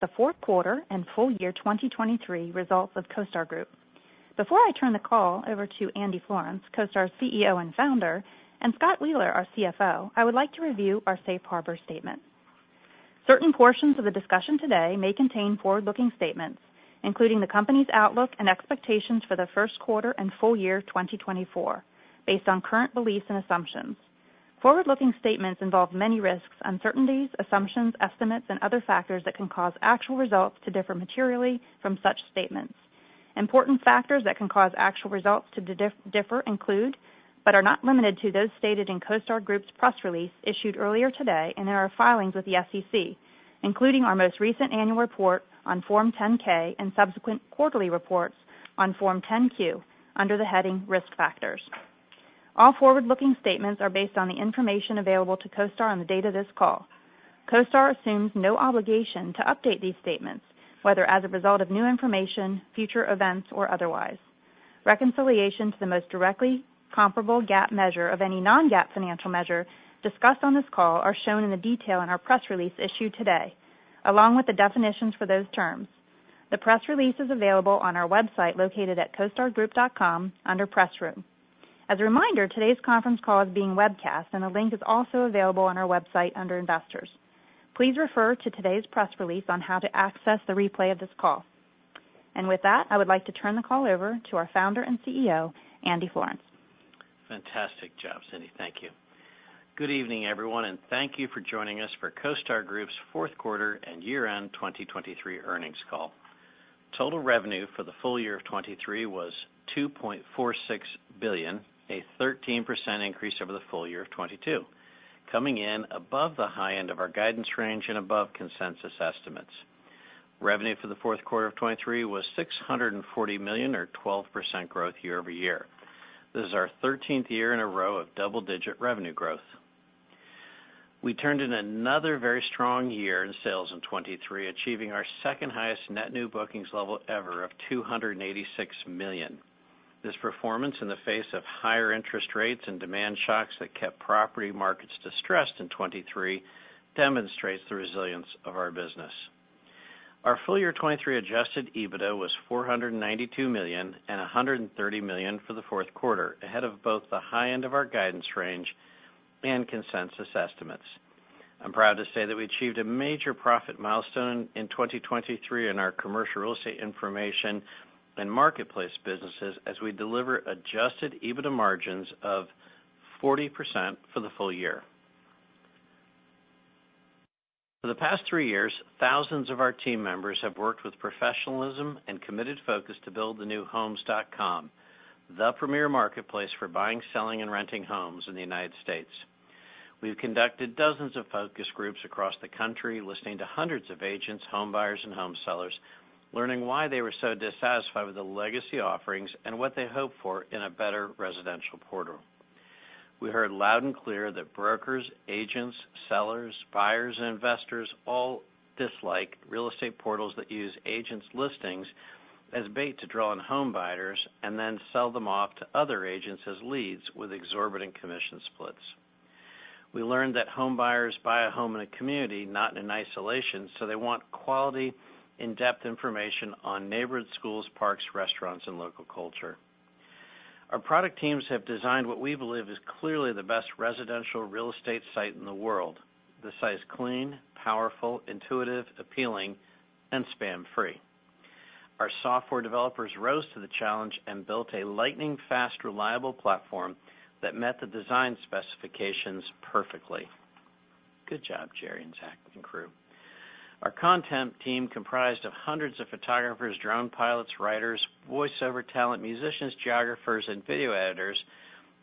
The fourth quarter and full year 2023 results of CoStar Group. Before I turn the call over to Andy Florance, CoStar's CEO and founder, and Scott Wheeler, our CFO, I would like to review our safe harbor statement. Certain portions of the discussion today may contain forward-looking statements, including the company's outlook and expectations for the first quarter and full year 2024, based on current beliefs and assumptions. Forward-looking statements involve many risks, uncertainties, assumptions, estimates, and other factors that can cause actual results to differ materially from such statements. Important factors that can cause actual results to differ include but are not limited to those stated in CoStar Group's press release issued earlier today and in our filings with the SEC, including our most recent annual report on Form 10-K and subsequent quarterly reports on Form 10-Q under the heading Risk Factors. All forward-looking statements are based on the information available to CoStar on the date of this call. CoStar assumes no obligation to update these statements, whether as a result of new information, future events, or otherwise. Reconciliation to the most directly comparable GAAP measure of any non-GAAP financial measure discussed on this call are shown in the detail in our press release issued today, along with the definitions for those terms. The press release is available on our website located at CoStarGroup.com under Press Room. As a reminder, today's conference call is being webcast, and the link is also available on our website under Investors. Please refer to today's press release on how to access the replay of this call. With that, I would like to turn the call over to our founder and CEO, Andy Florance. Fantastic job, Cyndi. Thank you. Good evening, everyone, and thank you for joining us for CoStar Group's fourth quarter and year-end 2023 earnings call. Total revenue for the full year of 2023 was $2.46 billion, a 13% increase over the full year of 2022, coming in above the high end of our guidance range and above consensus estimates. Revenue for the fourth quarter of 2023 was $640 million or 12% growth year-over-year. This is our 13th year in a row of double-digit revenue growth. We turned in another very strong year in sales in 2023, achieving our second-highest net new bookings level ever of $286 million. This performance in the face of higher interest rates and demand shocks that kept property markets distressed in 2023 demonstrates the resilience of our business. Our full year 2023 adjusted EBITDA was $492 million and $130 million for the fourth quarter, ahead of both the high end of our guidance range and consensus estimates. I'm proud to say that we achieved a major profit milestone in 2023 in our commercial real estate information and marketplace businesses as we deliver adjusted EBITDA margins of 40% for the full year. For the past three years, thousands of our team members have worked with professionalism and committed focus to build the new Homes.com, the premier marketplace for buying, selling, and renting homes in the United States. We've conducted dozens of focus groups across the country, listening to hundreds of agents, homebuyers, and homesellers, learning why they were so dissatisfied with the legacy offerings and what they hope for in a better residential portal. We heard loud and clear that brokers, agents, sellers, buyers, and investors all dislike real estate portals that use agents' listings as bait to draw in homebuyers and then sell them off to other agents as leads with exorbitant commission splits. We learned that homebuyers buy a home in a community, not in isolation, so they want quality, in-depth information on neighborhood schools, parks, restaurants, and local culture. Our product teams have designed what we believe is clearly the best residential real estate site in the world: that's clean, powerful, intuitive, appealing, and spam-free. Our software developers rose to the challenge and built a lightning-fast, reliable platform that met the design specifications perfectly. Good job, Jerry and Zach and crew. Our content team, comprised of hundreds of photographers, drone pilots, writers, voiceover talent, musicians, geographers, and video editors,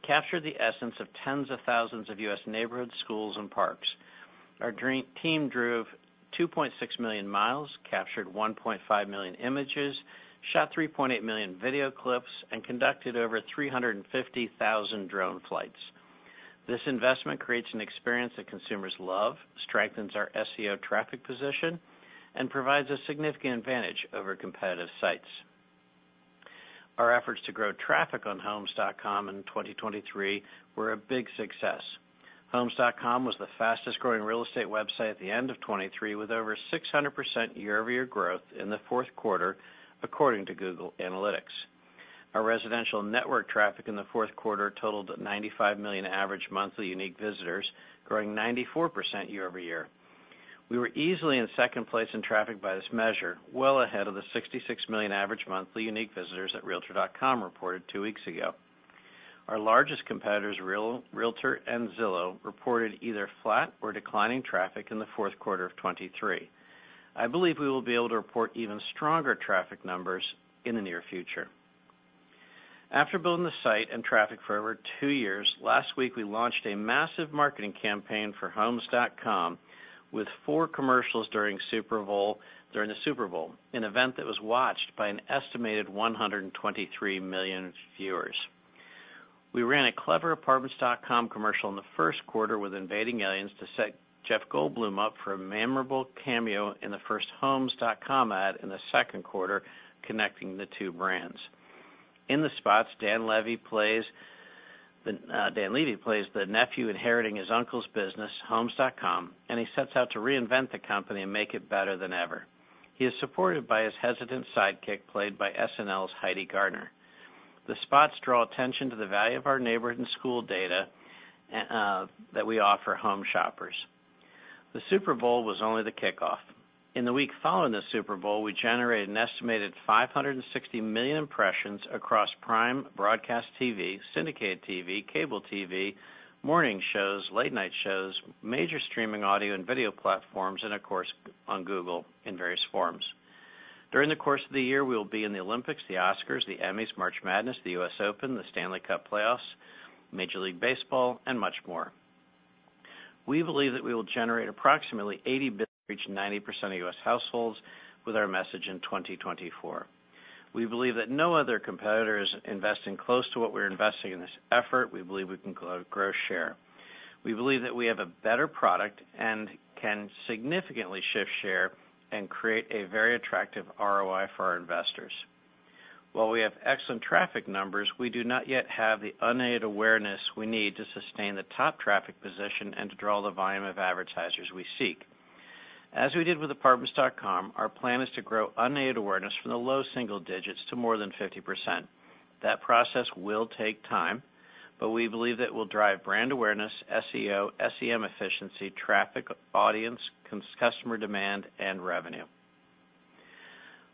captured the essence of tens of thousands of U.S. Neighborhood schools and parks. Our team drove 2.6 million miles, captured 1.5 million images, shot 3.8 million video clips, and conducted over 350,000 drone flights. This investment creates an experience that consumers love, strengthens our SEO traffic position, and provides a significant advantage over competitive sites. Our efforts to grow traffic on Homes.com in 2023 were a big success. Homes.com was the fastest-growing real estate website at the end of 2023, with over 600% year-over-year growth in the fourth quarter, according to Google Analytics. Our residential network traffic in the fourth quarter totaled 95 million average monthly unique visitors, growing 94% year-over-year. We were easily in second place in traffic by this measure, well ahead of the 66 million average monthly unique visitors that Realtor.com reported two weeks ago. Our largest competitors, Realtor and Zillow, reported either flat or declining traffic in the fourth quarter of 2023. I believe we will be able to report even stronger traffic numbers in the near future. After building the site and traffic for over two years, last week we launched a massive marketing campaign for Homes.com with four commercials during the Super Bowl, an event that was watched by an estimated 123 million viewers. We ran a clever Apartments.com commercial in the first quarter with invading aliens to set Jeff Goldblum up for a memorable cameo in the first Homes.com ad in the second quarter, connecting the two brands. In the spots, Dan Levy plays the nephew inheriting his uncle's business, Homes.com, and he sets out to reinvent the company and make it better than ever. He is supported by his hesitant sidekick played by SNL's Heidi Gardner. The spots draw attention to the value of our neighborhood and school data that we offer home shoppers. The Super Bowl was only the kickoff. In the week following the Super Bowl, we generated an estimated 560 million impressions across Prime, broadcast TV, syndicated TV, cable TV, morning shows, late-night shows, major streaming audio and video platforms, and of course, on Google in various forms. During the course of the year, we will be in the Olympics, the Oscars, the Emmys, March Madness, the U.S. Open, the Stanley Cup playoffs, Major League Baseball, and much more. We believe that we will generate approximately 80 billion to reach 90% of U.S. households with our message in 2024. We believe that no other competitor is investing close to what we're investing in this effort. We believe we can grow share. We believe that we have a better product and can significantly shift share and create a very attractive ROI for our investors. While we have excellent traffic numbers, we do not yet have the unaided awareness we need to sustain the top traffic position and to draw the volume of advertisers we seek. As we did with Apartments.com, our plan is to grow unaided awareness from the low single digits to more than 50%. That process will take time, but we believe that it will drive brand awareness, SEO, SEM efficiency, traffic, audience, customer demand, and revenue.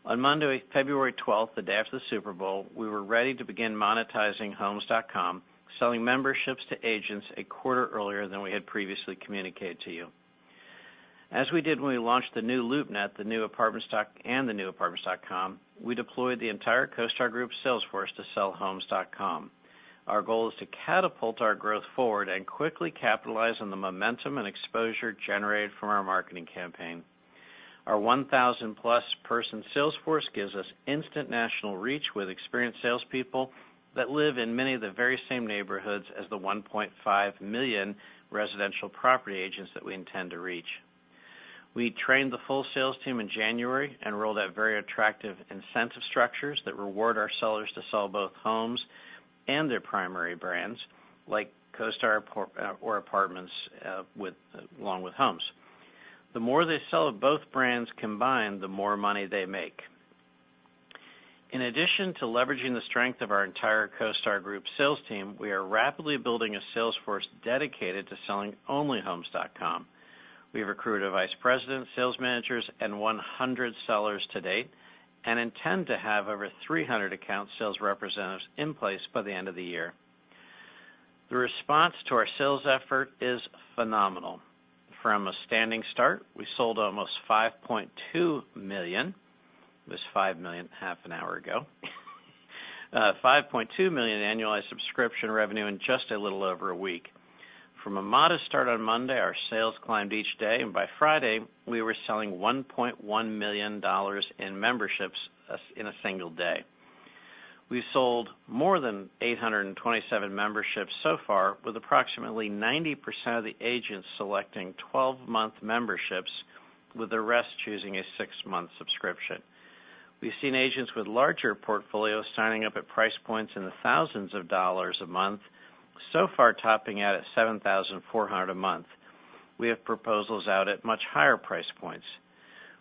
On Monday, February 12th, the day after the Super Bowl, we were ready to begin monetizing Homes.com, selling memberships to agents a quarter earlier than we had previously communicated to you. As we did when we launched the new LoopNet, the new Apartments.com, and the new Apartments.com, we deployed the entire CoStar Group sales force to sell Homes.com. Our goal is to catapult our growth forward and quickly capitalize on the momentum and exposure generated from our marketing campaign. Our 1,000+ person sales force gives us instant national reach with experienced salespeople that live in many of the very same neighborhoods as the 1.5 million residential property agents that we intend to reach. We trained the full sales team in January and rolled out very attractive incentive structures that reward our sellers to sell both Homes and their primary brands, like CoStar or Apartments, along with Homes. The more they sell of both brands combined, the more money they make. In addition to leveraging the strength of our entire CoStar Group sales team, we are rapidly building a sales force dedicated to selling only Homes.com. We have recruited a vice president, sales managers, and 100 sellers to date, and intend to have over 300 account sales representatives in place by the end of the year. The response to our sales effort is phenomenal. From a standing start, we sold almost $5.2 million, it was $5 million half an hour ago, $5.2 million annualized subscription revenue in just a little over a week. From a modest start on Monday, our sales climbed each day, and by Friday, we were selling $1.1 million in memberships in a single day. We've sold more than 827 memberships so far, with approximately 90% of the agents selecting 12-month memberships, with the rest choosing a six-month subscription. We've seen agents with larger portfolios signing up at price points in the thousands of dollars a month, so far topping out at $7,400 a month. We have proposals out at much higher price points.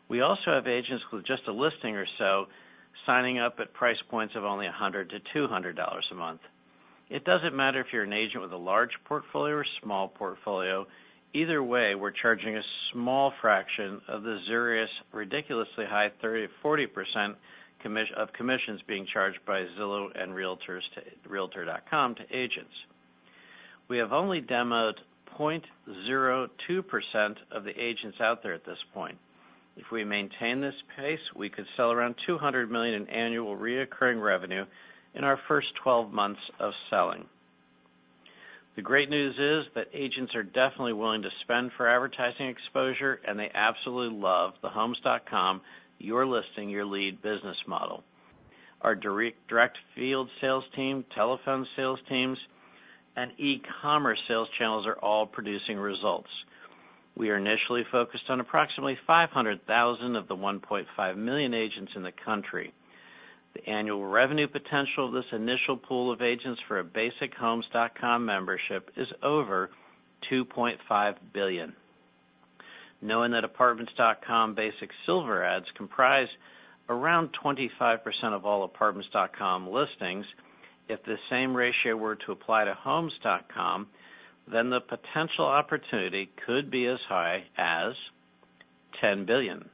We also have agents with just a listing or so signing up at price points of only $100-$200 a month. It doesn't matter if you're an agent with a large portfolio or small portfolio. Either way, we're charging a small fraction of the seriously ridiculously high 30%-40% of commissions being charged by Zillow and Realtor.com to agents. We have only demoed 0.02% of the agents out there at this point. If we maintain this pace, we could sell around $200 million in annual recurring revenue in our first 12 months of selling. The great news is that agents are definitely willing to spend for advertising exposure, and they absolutely love the Homes.com, your listing, your lead business model. Our direct field sales team, telephone sales teams, and e-commerce sales channels are all producing results. We are initially focused on approximately 500,000 of the 1.5 million agents in the country. The annual revenue potential of this initial pool of agents for a basic Homes.com membership is over $2.5 billion. Knowing that Apartments.com basic silver ads comprise around 25% of all Apartments.com listings, if the same ratio were to apply to Homes.com, then the potential opportunity could be as high as $10 billion.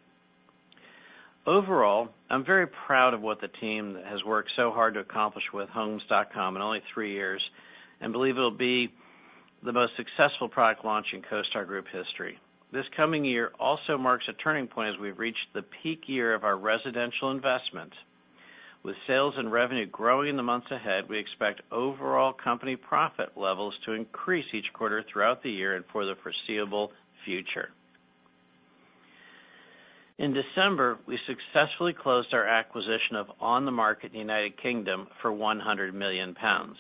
Overall, I'm very proud of what the team has worked so hard to accomplish with Homes.com in only three years and believe it'll be the most successful product launch in CoStar Group history. This coming year also marks a turning point as we've reached the peak year of our residential investments. With sales and revenue growing in the months ahead, we expect overall company profit levels to increase each quarter throughout the year and for the foreseeable future. In December, we successfully closed our acquisition of OnTheMarket, United Kingdom, for 100 million pounds.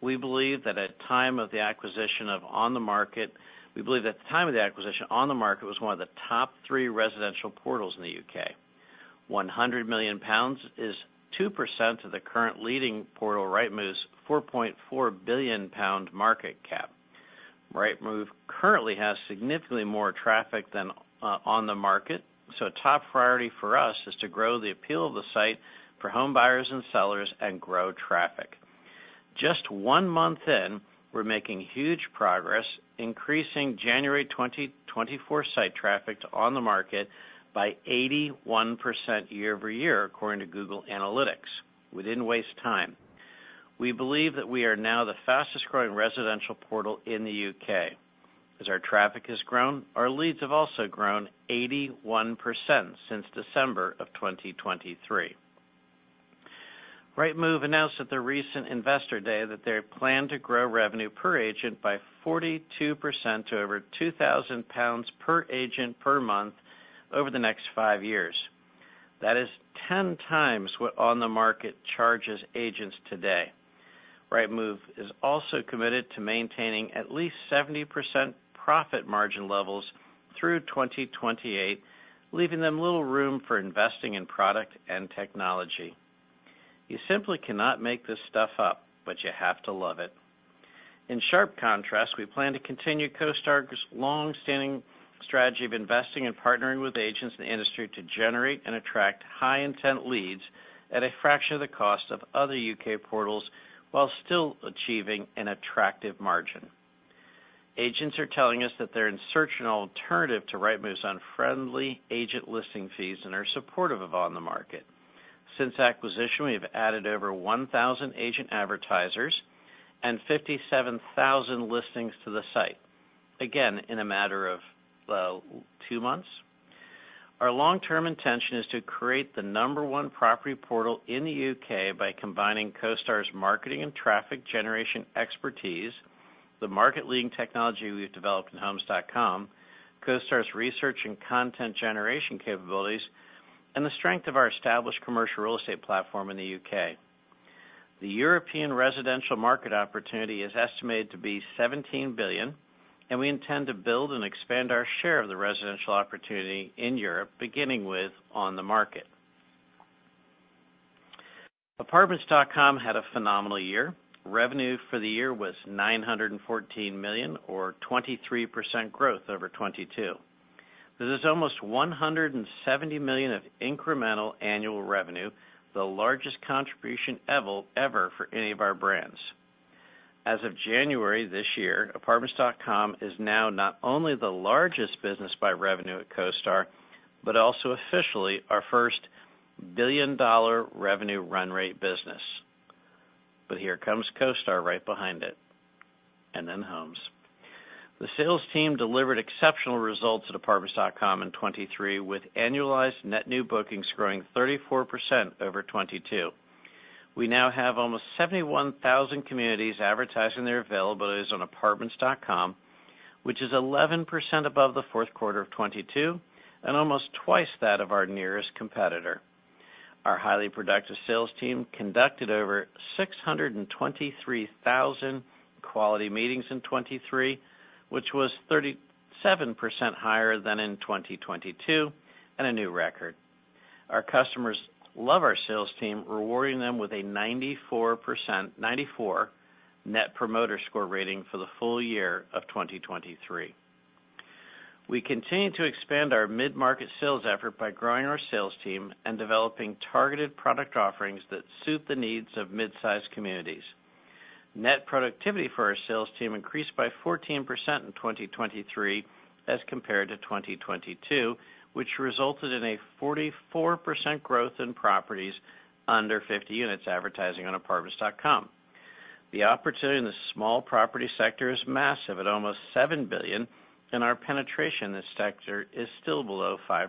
We believe that at the time of the acquisition, OnTheMarket was one of the top three residential portals in the U.K. 100 million pounds is 2% of the current leading portal Rightmove's 4.4 billion pound market cap. Rightmove currently has significantly more traffic than OnTheMarket, so a top priority for us is to grow the appeal of the site for homebuyers and sellers and grow traffic. Just one month in, we're making huge progress, increasing January 2024 site traffic to OnTheMarket by 81% year-over-year, according to Google Analytics, without wasting time. We believe that we are now the fastest-growing residential portal in the U.K. As our traffic has grown, our leads have also grown 81% since December of 2023. Rightmove announced at their recent investor day that they plan to grow revenue per agent by 42% to over 2,000 pounds per agent per month over the next five years. That is 10x what OnTheMarket charges agents today. Rightmove is also committed to maintaining at least 70% profit margin levels through 2028, leaving them little room for investing in product and technology. You simply cannot make this stuff up, but you have to love it. In sharp contrast, we plan to continue CoStar's longstanding strategy of investing and partnering with agents in the industry to generate and attract high-intent leads at a fraction of the cost of other U.K. portals while still achieving an attractive margin. Agents are telling us that they're in search of an alternative to Rightmove's unfriendly agent listing fees and are supportive of OnTheMarket. Since acquisition, we have added over 1,000 agent advertisers and 57,000 listings to the site, again, in a matter of two months. Our long-term intention is to create the number one property portal in the U.K. by combining CoStar's marketing and traffic generation expertise, the market-leading technology we've developed in Homes.com, CoStar's research and content generation capabilities, and the strength of our established commercial real estate platform in the U.K. The European residential market opportunity is estimated to be $17 billion, and we intend to build and expand our share of the residential opportunity in Europe, beginning with OnTheMarket. Apartments.com had a phenomenal year. Revenue for the year was $914 million, or 23% growth over 2022. This is almost $170 million of incremental annual revenue, the largest contribution ever for any of our brands. As of January this year, Apartments.com is now not only the largest business by revenue at CoStar but also officially our first billion-dollar revenue run-rate business. But here comes CoStar right behind it, and then Homes. The sales team delivered exceptional results at Apartments.com in 2023, with annualized net new bookings growing 34% over 2022. We now have almost 71,000 communities advertising their availabilities on Apartments.com, which is 11% above the fourth quarter of 2022 and almost twice that of our nearest competitor. Our highly productive sales team conducted over 623,000 quality meetings in 2023, which was 37% higher than in 2022, and a new record. Our customers love our sales team, rewarding them with a 94% Net Promoter Score rating for the full year of 2023. We continue to expand our mid-market sales effort by growing our sales team and developing targeted product offerings that suit the needs of midsize communities. Net productivity for our sales team increased by 14% in 2023 as compared to 2022, which resulted in a 44% growth in properties under 50 units advertising on Apartments.com. The opportunity in the small property sector is massive, at almost $7 billion, and our penetration in this sector is still below 5%.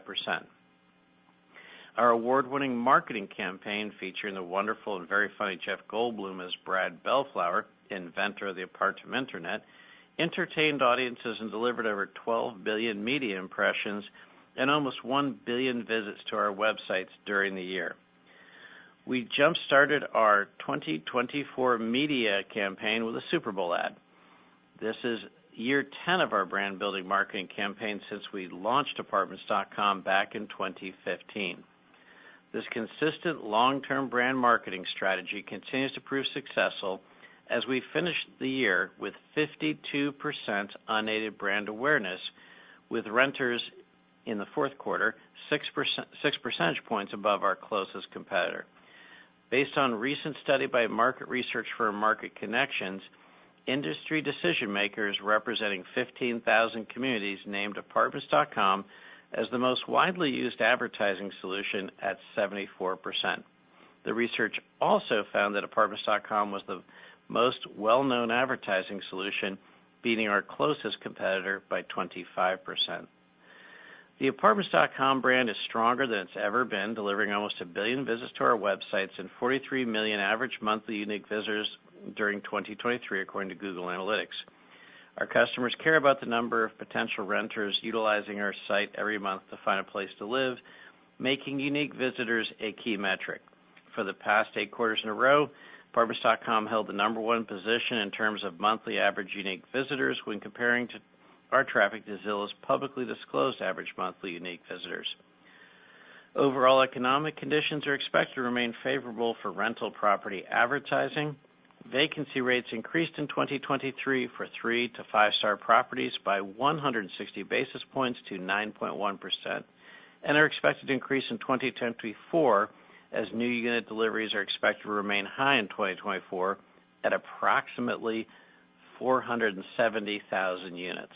Our award-winning marketing campaign, featuring the wonderful and very funny Jeff Goldblum as Brad Bellflower, inventor of the apartment internet, entertained audiences and delivered over $12 billion media impressions and almost $1 billion visits to our websites during the year. We jump-started our 2024 media campaign with a Super Bowl ad. This is year 10 of our brand-building marketing campaign since we launched Apartments.com back in 2015. This consistent, long-term brand marketing strategy continues to prove successful as we finish the year with 52% unaided brand awareness, with renters in the fourth quarter 6 percentage points above our closest competitor. Based on a recent study by market research firm Market Connections, industry decision-makers representing 15,000 communities named Apartments.com as the most widely used advertising solution at 74%. The research also found that Apartments.com was the most well-known advertising solution, beating our closest competitor by 25%. The Apartments.com brand is stronger than it's ever been, delivering almost a billion visits to our websites and 43 million average monthly unique visitors during 2023, according to Google Analytics. Our customers care about the number of potential renters utilizing our site every month to find a place to live, making unique visitors a key metric. For the past eight quarters in a row, Apartments.com held the number one position in terms of monthly average unique visitors when comparing our traffic to Zillow's publicly disclosed average monthly unique visitors. Overall economic conditions are expected to remain favorable for rental property advertising. Vacancy rates increased in 2023 for three- to five-star properties by 160 basis points to 9.1%, and are expected to increase in 2024 as new unit deliveries are expected to remain high in 2024 at approximately 470,000 units.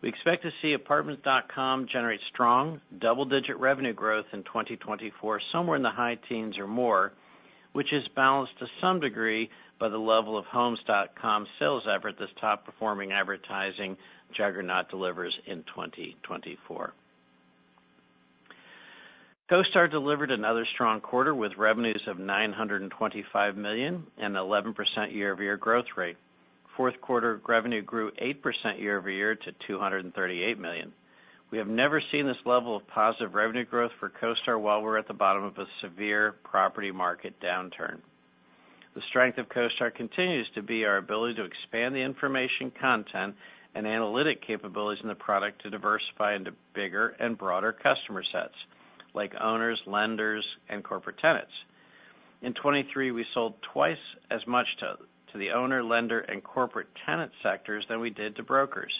We expect to see Apartments.com generate strong, double-digit revenue growth in 2024, somewhere in the high teens or more, which is balanced to some degree by the level of Homes.com sales effort this top-performing advertising juggernaut delivers in 2024. CoStar delivered another strong quarter with revenues of $925 million and an 11% year-over-year growth rate. Fourth-quarter revenue grew 8% year-over-year to $238 million. We have never seen this level of positive revenue growth for CoStar while we're at the bottom of a severe property market downturn. The strength of CoStar continues to be our ability to expand the information, content, and analytic capabilities in the product to diversify into bigger and broader customer sets, like owners, lenders, and corporate tenants. In 2023, we sold twice as much to the owner, lender, and corporate tenant sectors than we did to brokers.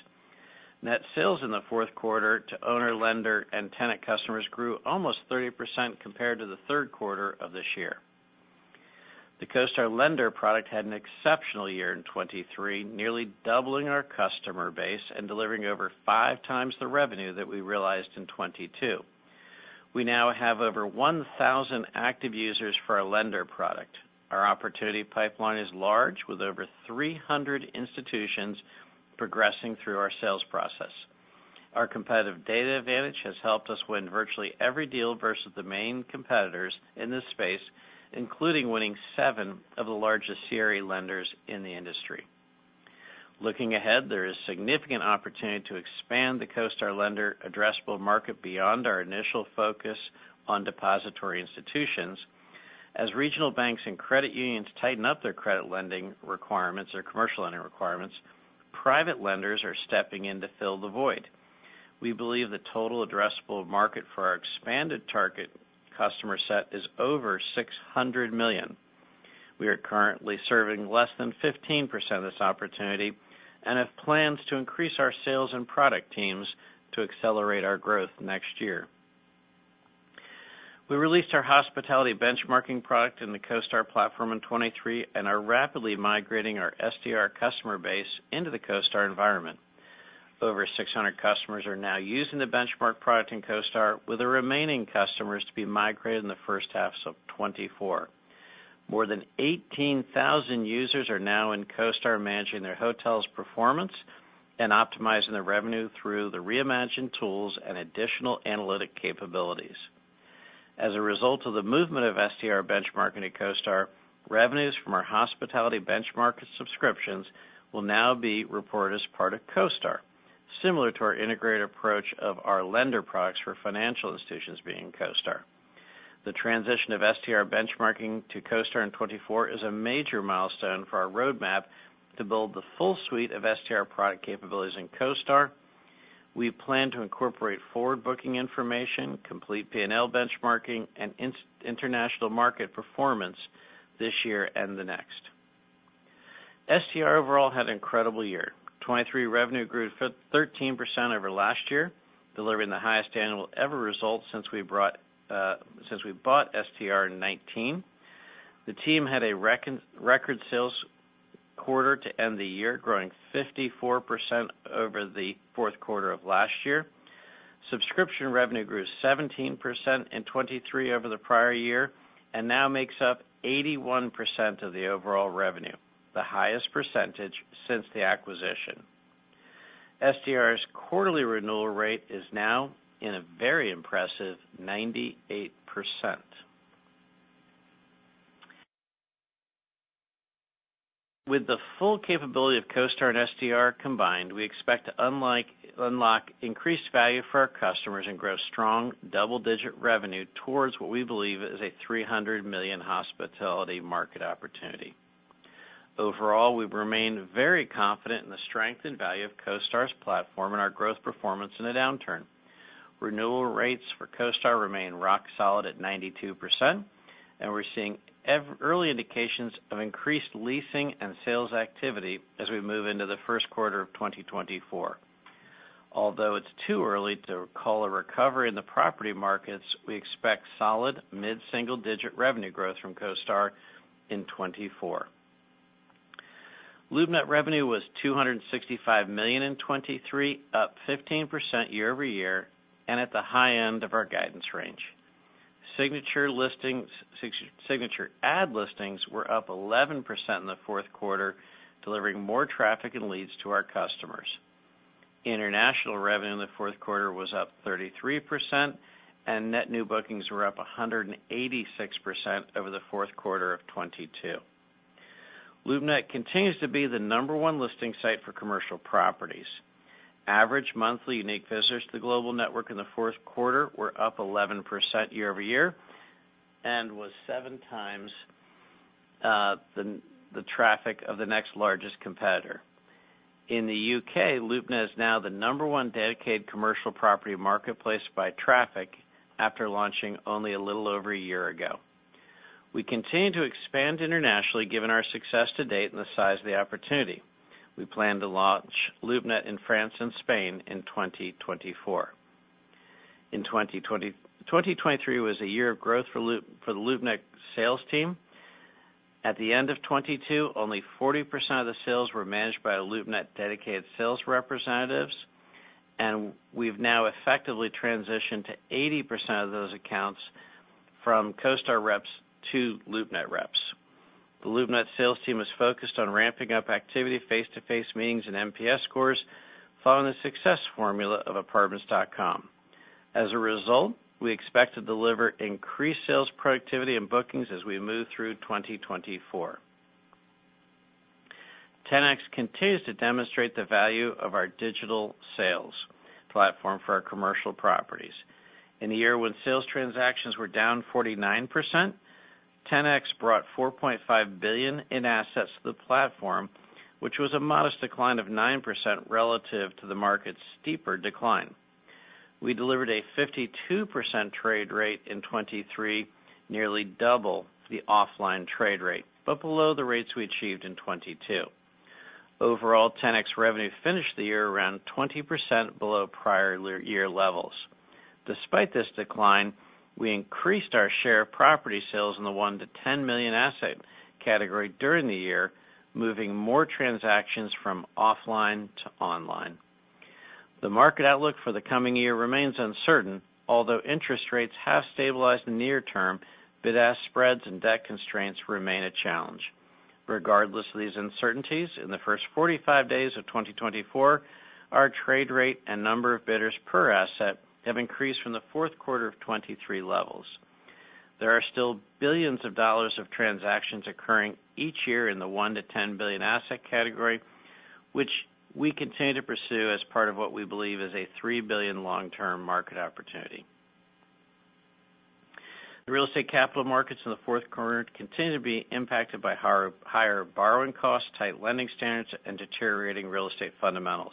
Net sales in the fourth quarter to owner, lender, and tenant customers grew almost 30% compared to the third quarter of this year. The CoStar Lender product had an exceptional year in 2023, nearly doubling our customer base and delivering over 5x the revenue that we realized in 2022. We now have over 1,000 active users for our lender product. Our opportunity pipeline is large, with over 300 institutions progressing through our sales process. Our competitive data advantage has helped us win virtually every deal versus the main competitors in this space, including winning seven of the largest CRE lenders in the industry. Looking ahead, there is significant opportunity to expand the CoStar Lender addressable market beyond our initial focus on depository institutions. As regional banks and credit unions tighten up their credit lending requirements or commercial lending requirements, private lenders are stepping in to fill the void. We believe the total addressable market for our expanded target customer set is over $600 million. We are currently serving less than 15% of this opportunity and have plans to increase our sales and product teams to accelerate our growth next year. We released our hospitality benchmarking product in the CoStar platform in 2023 and are rapidly migrating our STR customer base into the CoStar environment. Over 600 customers are now using the benchmark product in CoStar, with the remaining customers to be migrated in the first half of 2024. More than 18,000 users are now in CoStar managing their hotels' performance and optimizing their revenue through the reimagined tools and additional analytic capabilities. As a result of the movement of STR benchmarking to CoStar, revenues from our hospitality benchmark subscriptions will now be reported as part of CoStar, similar to our integrated approach of our lender products for financial institutions being CoStar. The transition of STR benchmarking to CoStar in 2024 is a major milestone for our roadmap to build the full suite of STR product capabilities in CoStar. We plan to incorporate forward booking information, complete P&L benchmarking, and international market performance this year and the next. STR overall had an incredible year. 2023 revenue grew 13% over last year, delivering the highest annual ever results since we bought STR in 2019. The team had a record sales quarter to end the year, growing 54% over the fourth quarter of last year. Subscription revenue grew 17% in 2023 over the prior year and now makes up 81% of the overall revenue, the highest percentage since the acquisition. STR's quarterly renewal rate is now in a very impressive 98%. With the full capability of CoStar and STR combined, we expect to unlock increased value for our customers and grow strong, double-digit revenue towards what we believe is a $300 million hospitality market opportunity. Overall, we've remained very confident in the strength and value of CoStar's platform and our growth performance in a downturn. Renewal rates for CoStar remain rock solid at 92%, and we're seeing early indications of increased leasing and sales activity as we move into the first quarter of 2024. Although it's too early to call a recovery in the property markets, we expect solid mid-single-digit revenue growth from CoStar in 2024. LoopNet revenue was $265 million in 2023, up 15% year-over-year and at the high end of our guidance range. Signature ad listings were up 11% in the fourth quarter, delivering more traffic and leads to our customers. International revenue in the fourth quarter was up 33%, and net new bookings were up 186% over the fourth quarter of 2022. LoopNet continues to be the number one listing site for commercial properties. Average monthly unique visitors to the global network in the fourth quarter were up 11% year-over-year and was 7x the traffic of the next largest competitor. In the U.K., LoopNet is now the number one dedicated commercial property marketplace by traffic after launching only a little over a year ago. We continue to expand internationally, given our success to date and the size of the opportunity. We plan to launch LoopNet in France and Spain in 2024. 2023 was a year of growth for the LoopNet sales team. At the end of 2022, only 40% of the sales were managed by LoopNet dedicated sales representatives, and we've now effectively transitioned to 80% of those accounts from CoStar reps to LoopNet reps. The LoopNet sales team is focused on ramping up activity, face-to-face meetings, and NPS scores following the success formula of Apartments.com. As a result, we expect to deliver increased sales productivity and bookings as we move through 2024. Ten-X continues to demonstrate the value of our digital sales platform for our commercial properties. In the year when sales transactions were down 49%, Ten-X brought $4.5 billion in assets to the platform, which was a modest decline of 9% relative to the market's steeper decline. We delivered a 52% trade rate in 2023, nearly double the offline trade rate but below the rates we achieved in 2022. Overall, Ten-X revenue finished the year around 20% below prior year levels. Despite this decline, we increased our share of property sales in the $1-$10 million asset category during the year, moving more transactions from offline to online. The market outlook for the coming year remains uncertain, although interest rates have stabilized in the near term, bid-ask spreads, and debt constraints remain a challenge. Regardless of these uncertainties, in the first 45 days of 2024, our trade rate and number of bidders per asset have increased from the fourth quarter of 2023 levels. There are still billions of dollars of transactions occurring each year in the $1-$10 billion asset category, which we continue to pursue as part of what we believe is a $3 billion long-term market opportunity. The real estate capital markets in the fourth quarter continue to be impacted by higher borrowing costs, tight lending standards, and deteriorating real estate fundamentals.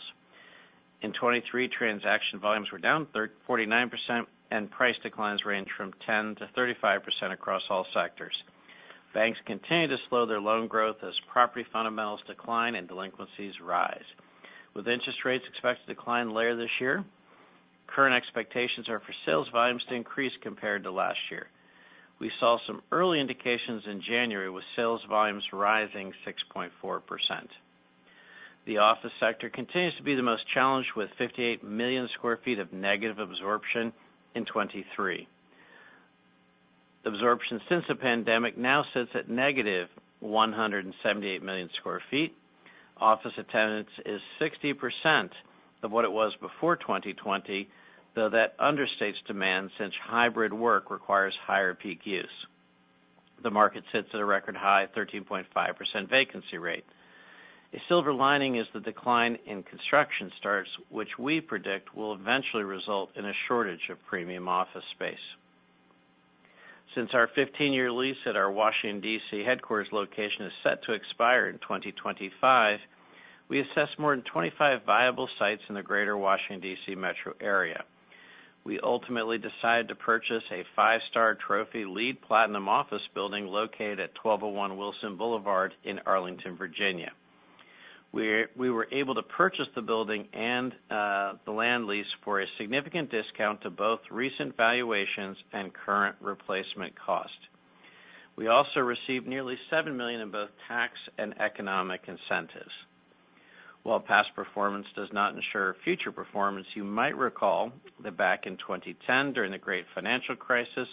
In 2023, transaction volumes were down 49%, and price declines ranged from 10%-35% across all sectors. Banks continue to slow their loan growth as property fundamentals decline and delinquencies rise. With interest rates expected to decline later this year, current expectations are for sales volumes to increase compared to last year. We saw some early indications in January, with sales volumes rising 6.4%. The office sector continues to be the most challenged, with 58 million sq ft of negative absorption in 2023. Absorption since the pandemic now sits at negative 178 million sq ft. Office attendance is 60% of what it was before 2020, though that understates demand since hybrid work requires higher peak use. The market sits at a record high 13.5% vacancy rate. A silver lining is the decline in construction starts, which we predict will eventually result in a shortage of premium office space. Since our 15-year lease at our Washington, D.C. headquarters location is set to expire in 2025, we assessed more than 25 viable sites in the greater Washington, D.C. metro area. We ultimately decided to purchase a five-star trophy LEED Platinum office building located at 1201 Wilson Boulevard in Arlington, Virginia. We were able to purchase the building and the land lease for a significant discount to both recent valuations and current replacement cost. We also received nearly $7 million in both tax and economic incentives. While past performance does not ensure future performance, you might recall that back in 2010, during the Great Financial Crisis,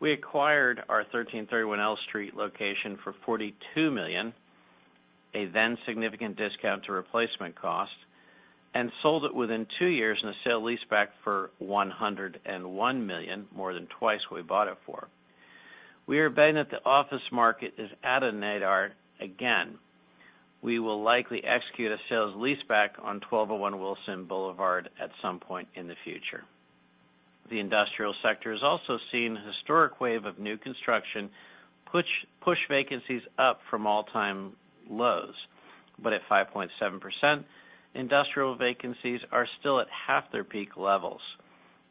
we acquired our 1331 L Street location for $42 million, a then significant discount to replacement cost, and sold it within two years in a sale-leaseback for $101 million, more than twice what we bought it for. We are betting that the office market is at a nadir again. We will likely execute a sale-leaseback on 1201 Wilson Boulevard at some point in the future. The industrial sector is also seeing a historic wave of new construction push vacancies up from all-time lows. But at 5.7%, industrial vacancies are still at half their peak levels.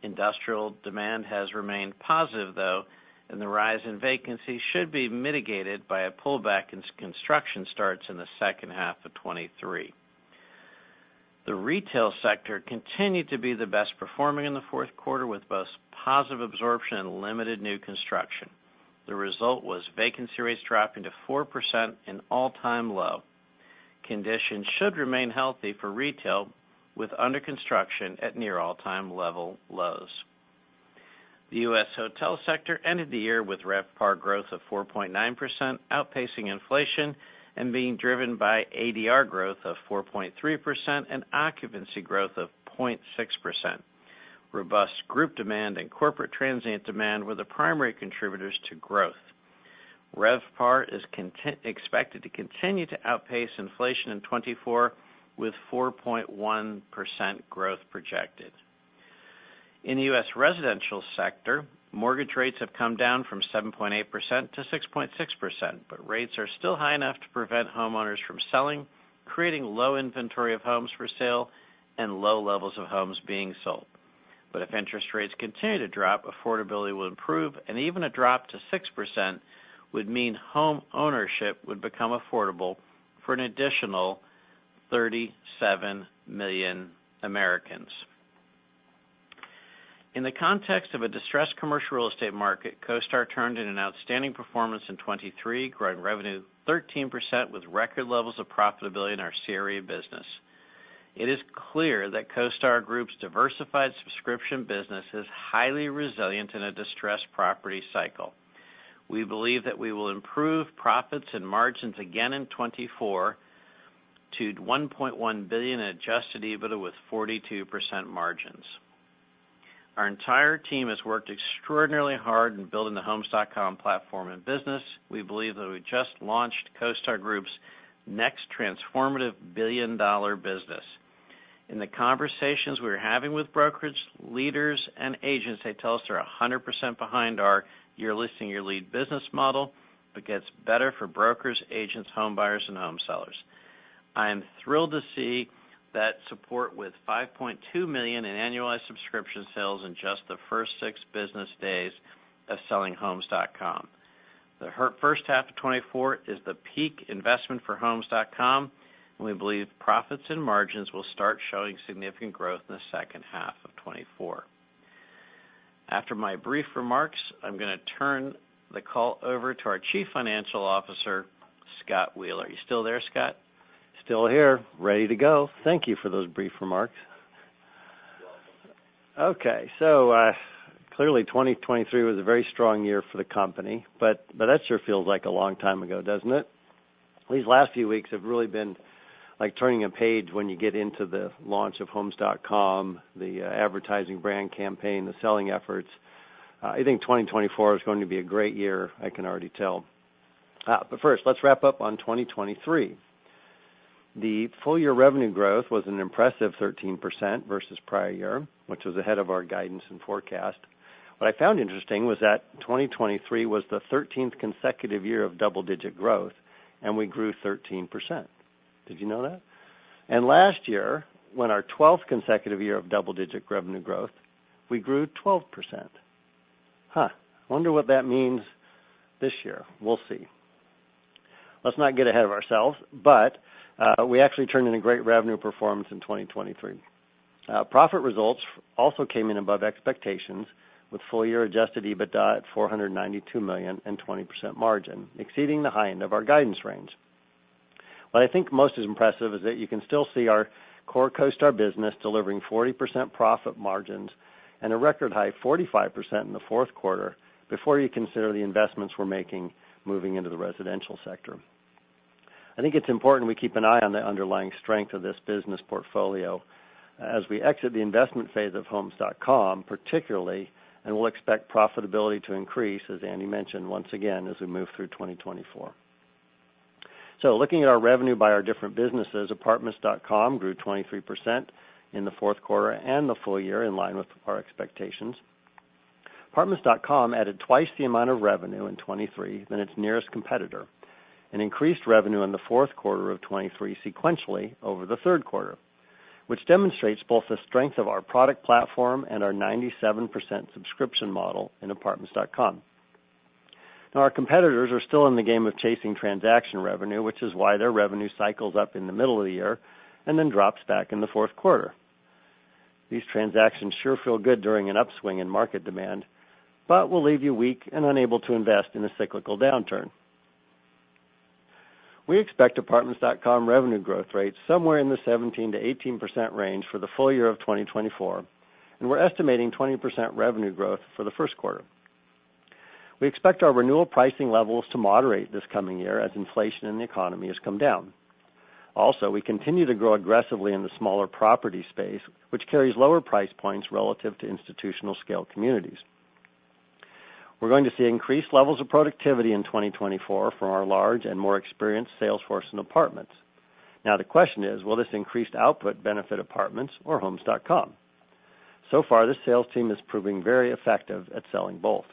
Industrial demand has remained positive, though, and the rise in vacancies should be mitigated by a pullback as construction starts in the second half of 2023. The retail sector continued to be the best performing in the fourth quarter, with both positive absorption and limited new construction. The result was vacancy rates dropping to 4%, an all-time low. Conditions should remain healthy for retail, with under-construction at near all-time level lows. The U.S. hotel sector ended the year with RevPAR growth of 4.9%, outpacing inflation and being driven by ADR growth of 4.3% and occupancy growth of 0.6%. Robust group demand and corporate transient demand were the primary contributors to growth. RevPAR is expected to continue to outpace inflation in 2024, with 4.1% growth projected. In the U.S. residential sector, mortgage rates have come down from 7.8% to 6.6%, but rates are still high enough to prevent homeowners from selling, creating low inventory of homes for sale and low levels of homes being sold. But if interest rates continue to drop, affordability will improve, and even a drop to 6% would mean home ownership would become affordable for an additional 37 million Americans. In the context of a distressed commercial real estate market, CoStar turned in an outstanding performance in 2023, growing revenue 13% with record levels of profitability in our CRE business. It is clear that CoStar Group's diversified subscription business is highly resilient in a distressed property cycle. We believe that we will improve profits and margins again in 2024 to $1.1 billion in Adjusted EBITDA with 42% margins. Our entire team has worked extraordinarily hard in building the Homes.com platform and business. We believe that we just launched CoStar Group's next transformative billion-dollar business. In the conversations we are having with brokers, leaders, and agents, they tell us they're 100% behind our Your Listing, Your Lead business model but gets better for brokers, agents, homebuyers, and homesellers. I am thrilled to see that support with $5.2 million in annualized subscription sales in just the first six business days of selling Homes.com. The first half of 2024 is the peak investment for Homes.com, and we believe profits and margins will start showing significant growth in the second half of 2024. After my brief remarks, I'm going to turn the call over to our Chief Financial Officer, Scott Wheeler. You still there, Scott? Still here, ready to go. Thank you for those brief remarks. Okay. So clearly, 2023 was a very strong year for the company, but that sure feels like a long time ago, doesn't it? These last few weeks have really been like turning a page when you get into the launch of Homes.com, the advertising brand campaign, the selling efforts. I think 2024 is going to be a great year, I can already tell. But first, let's wrap up on 2023. The full-year revenue growth was an impressive 13% versus prior year, which was ahead of our guidance and forecast. What I found interesting was that 2023 was the 13th consecutive year of double-digit growth, and we grew 13%. Did you know that? And last year, when our 12th consecutive year of double-digit revenue growth, we grew 12%. Huh. I wonder what that means this year. We'll see. Let's not get ahead of ourselves, but we actually turned in a great revenue performance in 2023. Profit results also came in above expectations, with full-year Adjusted EBITDA at $492 million and 20% margin, exceeding the high end of our guidance range. What I think most is impressive is that you can still see our core CoStar business delivering 40% profit margins and a record high 45% in the fourth quarter before you consider the investments we're making moving into the residential sector. I think it's important we keep an eye on the underlying strength of this business portfolio as we exit the investment phase of Homes.com particularly, and we'll expect profitability to increase, as Andy mentioned once again, as we move through 2024. So looking at our revenue by our different businesses, Apartments.com grew 23% in the fourth quarter and the full year, in line with our expectations. Apartments.com added twice the amount of revenue in 2023 than its nearest competitor and increased revenue in the fourth quarter of 2023 sequentially over the third quarter, which demonstrates both the strength of our product platform and our 97% subscription model in Apartments.com. Now, our competitors are still in the game of chasing transaction revenue, which is why their revenue cycles up in the middle of the year and then drops back in the fourth quarter. These transactions sure feel good during an upswing in market demand, but will leave you weak and unable to invest in a cyclical downturn. We expect Apartments.com revenue growth rates somewhere in the 17%-18% range for the full year of 2024, and we're estimating 20% revenue growth for the first quarter. We expect our renewal pricing levels to moderate this coming year as inflation in the economy has come down. Also, we continue to grow aggressively in the smaller property space, which carries lower price points relative to institutional-scale communities. We're going to see increased levels of productivity in 2024 from our large and more experienced sales force in Apartments. Now, the question is, will this increased output benefit Apartments or Homes.com? So far, the sales team is proving very effective at selling both.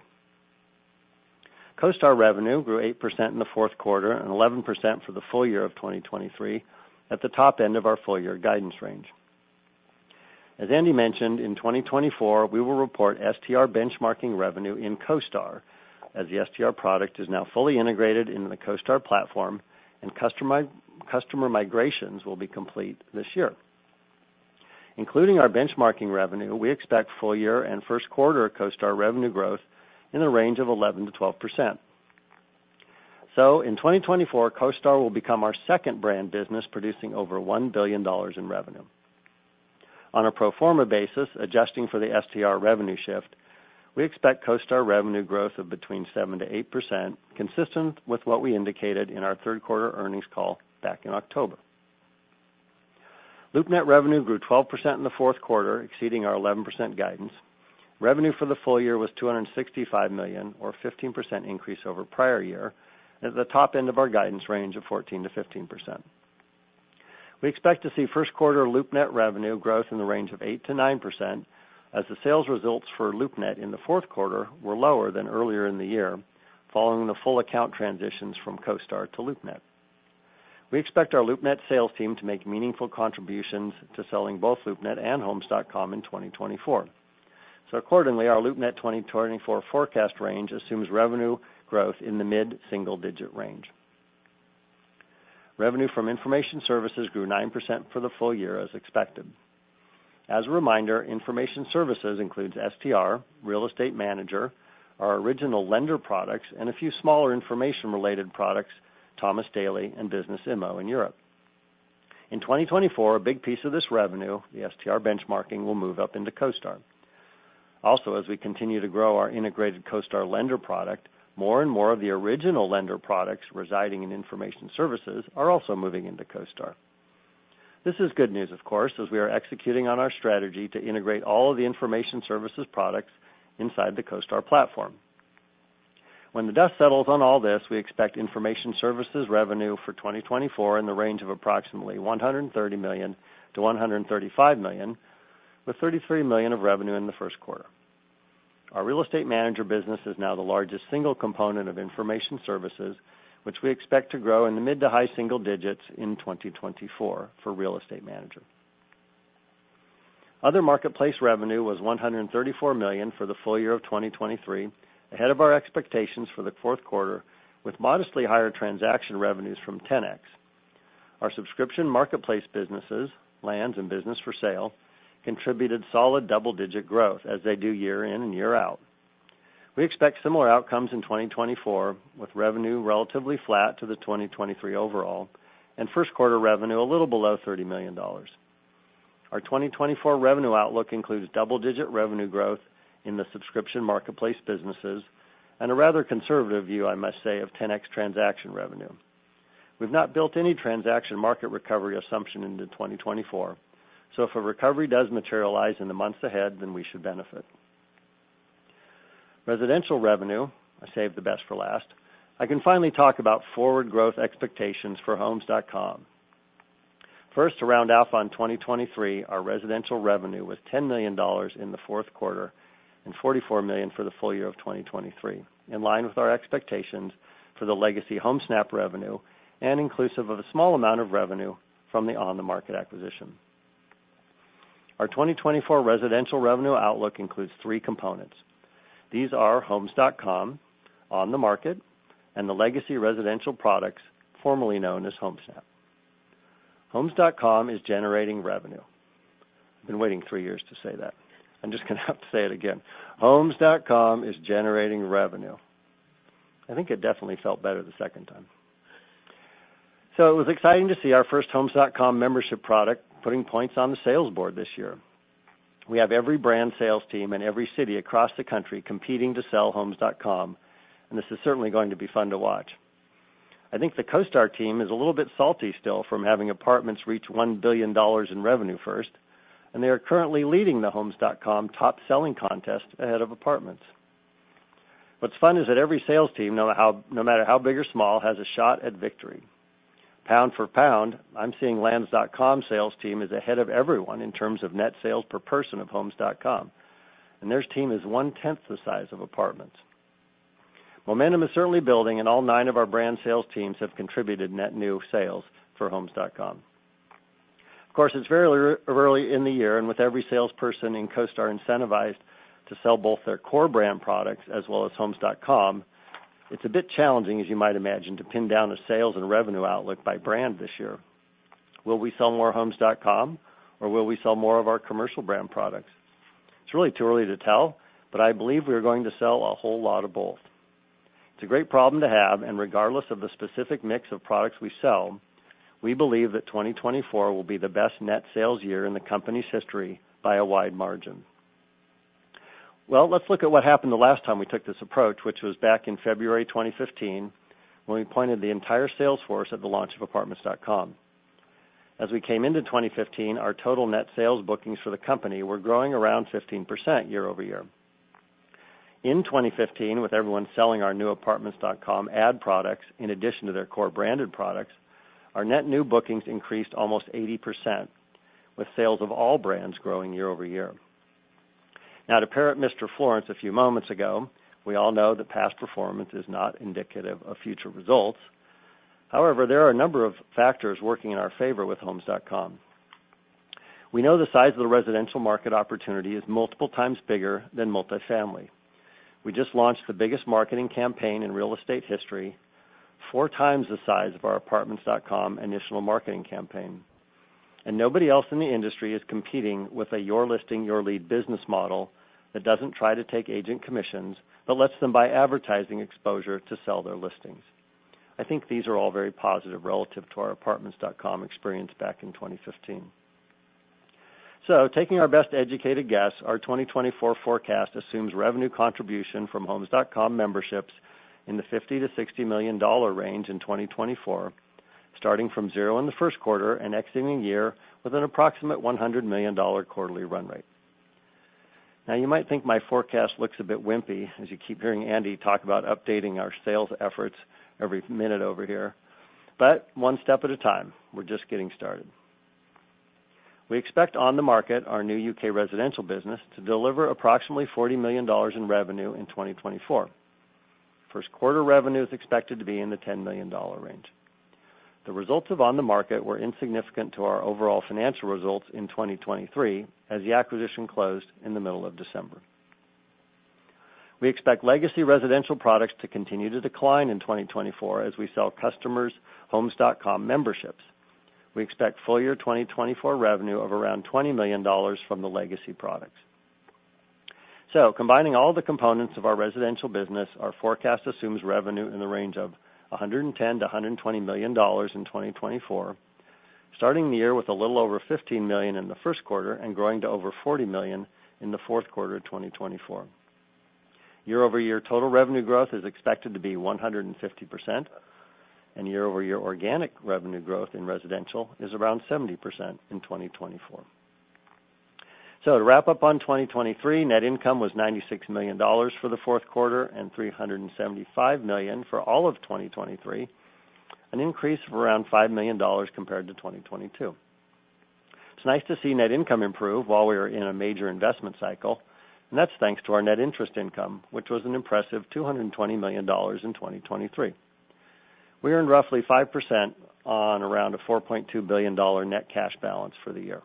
CoStar revenue grew 8% in the fourth quarter and 11% for the full year of 2023, at the top end of our full-year guidance range. As Andy mentioned, in 2024, we will report STR benchmarking revenue in CoStar as the STR product is now fully integrated into the CoStar platform, and customer migrations will be complete this year. Including our benchmarking revenue, we expect full-year and first quarter CoStar revenue growth in the range of 11%-12%. So in 2024, CoStar will become our second brand business producing over $1 billion in revenue. On a pro forma basis, adjusting for the STR revenue shift, we expect CoStar revenue growth of between 7%-8%, consistent with what we indicated in our third quarter earnings call back in October. LoopNet revenue grew 12% in the fourth quarter, exceeding our 11% guidance. Revenue for the full year was $265 million, or a 15% increase over prior year, at the top end of our guidance range of 14%-15%. We expect to see first quarter LoopNet revenue growth in the range of 8%-9% as the sales results for LoopNet in the fourth quarter were lower than earlier in the year, following the full account transitions from CoStar to LoopNet. We expect our LoopNet sales team to make meaningful contributions to selling both LoopNet and Homes.com in 2024. So accordingly, our LoopNet 2024 forecast range assumes revenue growth in the mid-single-digit range. Revenue from information services grew 9% for the full year, as expected. As a reminder, information services includes STR, Real Estate Manager, our original lender products, and a few smaller information-related products, Thomas Daily and Business Immo in Europe. In 2024, a big piece of this revenue, the STR benchmarking, will move up into CoStar. Also, as we continue to grow our integrated CoStar lender product, more and more of the original lender products residing in information services are also moving into CoStar. This is good news, of course, as we are executing on our strategy to integrate all of the information services products inside the CoStar platform. When the dust settles on all this, we expect information services revenue for 2024 in the range of approximately $130 million-$135 million, with $33 million of revenue in the first quarter. Our Real Estate Manager business is now the largest single component of information services, which we expect to grow in the mid to high single digits in 2024 for Real Estate Manager. Other marketplace revenue was $134 million for the full year of 2023, ahead of our expectations for the fourth quarter, with modestly higher transaction revenues from Ten-X. Our subscription marketplace businesses, lands and business for sale, contributed solid double-digit growth as they do year in and year out. We expect similar outcomes in 2024, with revenue relatively flat to the 2023 overall and first quarter revenue a little below $30 million. Our 2024 revenue outlook includes double-digit revenue growth in the subscription marketplace businesses and a rather conservative view, I must say, of 10x transaction revenue. We've not built any transaction market recovery assumption into 2024, so if a recovery does materialize in the months ahead, then we should benefit. Residential revenue, I saved the best for last, I can finally talk about forward growth expectations for Homes.com. First, to round off on 2023, our residential revenue was $10 million in the fourth quarter and $44 million for the full year of 2023, in line with our expectations for the legacy Homesnap revenue and inclusive of a small amount of revenue from the OnTheMarket acquisition. Our 2024 residential revenue outlook includes three components. These are Homes.com, OnTheMarket, and the legacy residential products, formerly known as Homesnap. Homes.com is generating revenue. I've been waiting three years to say that. I'm just going to have to say it again. Homes.com is generating revenue. I think it definitely felt better the second time. It was exciting to see our first Homes.com membership product putting points on the sales board this year. We have every brand sales team in every city across the country competing to sell Homes.com, and this is certainly going to be fun to watch. I think the CoStar team is a little bit salty still from having Apartments reach $1 billion in revenue first, and they are currently leading the Homes.com top-selling contest ahead of Apartments. What's fun is that every sales team, no matter how big or small, has a shot at victory. Pound for pound, I'm seeing Land.com's sales team is ahead of everyone in terms of net sales per person of Homes.com, and their team is 1/10 the size of Apartments. Momentum is certainly building, and all nine of our brand sales teams have contributed net new sales for Homes.com. Of course, it's fairly early in the year, and with every salesperson in CoStar incentivized to sell both their core brand products as well as Homes.com, it's a bit challenging, as you might imagine, to pin down a sales and revenue outlook by brand this year. Will we sell more Homes.com, or will we sell more of our commercial brand products? It's really too early to tell, but I believe we are going to sell a whole lot of both. It's a great problem to have, and regardless of the specific mix of products we sell, we believe that 2024 will be the best net sales year in the company's history by a wide margin. Well, let's look at what happened the last time we took this approach, which was back in February 2015, when we pointed the entire sales force at the launch of Apartments.com. As we came into 2015, our total net sales bookings for the company were growing around 15% year-over-year. In 2015, with everyone selling our new Apartments.com ad products in addition to their core branded products, our net new bookings increased almost 80%, with sales of all brands growing year-over-year. Now, to parrot Mr. Florance a few moments ago, we all know that past performance is not indicative of future results. However, there are a number of factors working in our favor with Homes.com. We know the size of the residential market opportunity is multiple times bigger than multifamily. We just launched the biggest marketing campaign in real estate history, 4x the size of our Apartments.com initial marketing campaign. Nobody else in the industry is competing with a your-listing, your-lead business model that doesn't try to take agent commissions but lets them buy advertising exposure to sell their listings. I think these are all very positive relative to our Apartments.com experience back in 2015. Taking our best educated guess, our 2024 forecast assumes revenue contribution from Homes.com memberships in the $50-$60 million range in 2024, starting from zero in the first quarter and exiting the year with an approximate $100 million quarterly run rate. Now, you might think my forecast looks a bit wimpy as you keep hearing Andy talk about updating our sales efforts every minute over here. One step at a time. We're just getting started. We expect OnTheMarket, our new U.K. residential business, to deliver approximately $40 million in revenue in 2024. First quarter revenue is expected to be in the $10 million range. The results of OnTheMarket were insignificant to our overall financial results in 2023 as the acquisition closed in the middle of December. We expect legacy residential products to continue to decline in 2024 as we sell customers Homes.com memberships. We expect full-year 2024 revenue of around $20 million from the legacy products. Combining all the components of our residential business, our forecast assumes revenue in the range of $110 million-$120 million in 2024, starting the year with a little over $15 million in the first quarter and growing to over $40 million in the fourth quarter of 2024. Year-over-year, total revenue growth is expected to be 150%, and year-over-year, organic revenue growth in residential is around 70% in 2024. So to wrap up on 2023, net income was $96 million for the fourth quarter and $375 million for all of 2023, an increase of around $5 million compared to 2022. It's nice to see net income improve while we are in a major investment cycle, and that's thanks to our net interest income, which was an impressive $220 million in 2023. We earned roughly 5% on around a $4.2 billion net cash balance for the year.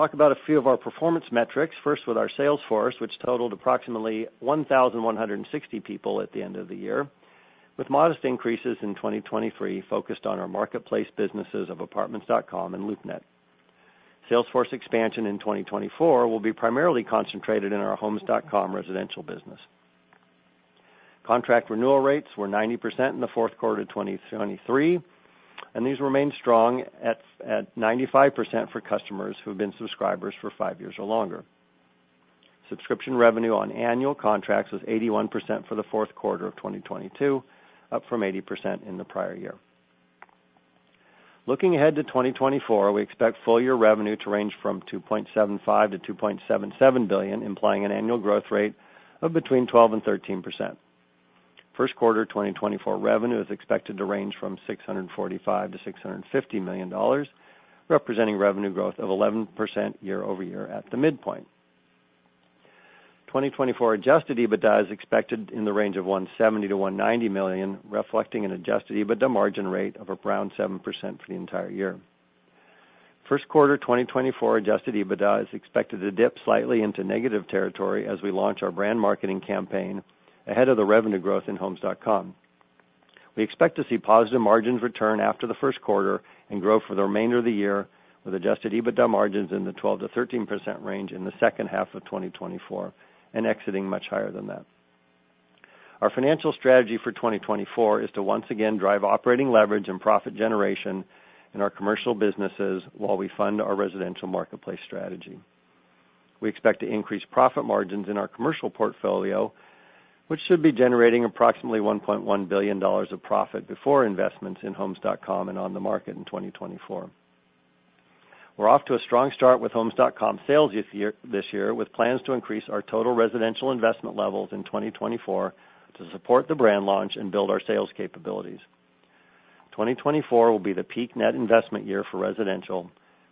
Let's talk about a few of our performance metrics. First, with our sales force, which totaled approximately 1,160 people at the end of the year, with modest increases in 2023 focused on our marketplace businesses of Apartments.com and LoopNet. Sales force expansion in 2024 will be primarily concentrated in our Homes.com residential business. Contract renewal rates were 90% in the fourth quarter of 2023, and these remained strong at 95% for customers who have been subscribers for five years or longer. Subscription revenue on annual contracts was 81% for the fourth quarter of 2022, up from 80% in the prior year. Looking ahead to 2024, we expect full-year revenue to range from $2.75-$2.77 billion, implying an annual growth rate of between 12% and 13%. First quarter 2024 revenue is expected to range from $645 million-$650 million, representing revenue growth of 11% year-over-year at the midpoint. 2024 Adjusted EBITDA is expected in the range of $170 million-$190 million, reflecting an Adjusted EBITDA margin rate of around 7% for the entire year. First quarter 2024 adjusted EBITDA is expected to dip slightly into negative territory as we launch our brand marketing campaign ahead of the revenue growth in Homes.com. We expect to see positive margins return after the first quarter and grow for the remainder of the year, with adjusted EBITDA margins in the 12%-13% range in the second half of 2024 and exiting much higher than that. Our financial strategy for 2024 is to once again drive operating leverage and profit generation in our commercial businesses while we fund our residential marketplace strategy. We expect to increase profit margins in our commercial portfolio, which should be generating approximately $1.1 billion of profit before investments in Homes.com and OnTheMarket in 2024. We're off to a strong start with Homes.com sales this year, with plans to increase our total residential investment levels in 2024 to support the brand launch and build our sales capabilities. 2024 will be the peak net investment year for residential,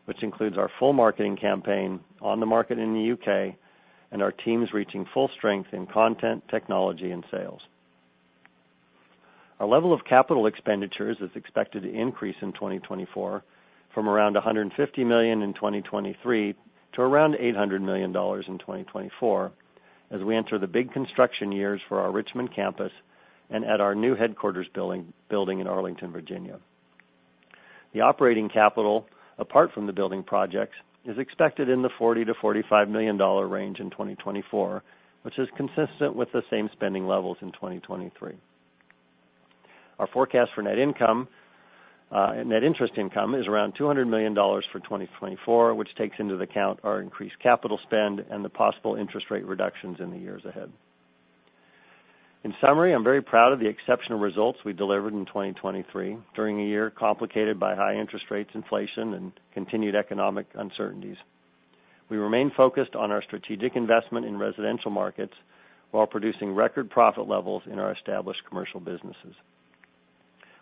which includes our full marketing campaign, OnTheMarket in the UK, and our teams reaching full strength in content, technology, and sales. Our level of capital expenditures is expected to increase in 2024 from around $150 million in 2023 to around $800 million in 2024 as we enter the big construction years for our Richmond campus and at our new headquarters building in Arlington, Virginia. The operating capital, apart from the building projects, is expected in the $40 million-$45 million range in 2024, which is consistent with the same spending levels in 2023. Our forecast for net interest income is around $200 million for 2024, which takes into account our increased capital spend and the possible interest rate reductions in the years ahead. In summary, I'm very proud of the exceptional results we delivered in 2023 during a year complicated by high interest rates, inflation, and continued economic uncertainties. We remain focused on our strategic investment in residential markets while producing record profit levels in our established commercial businesses.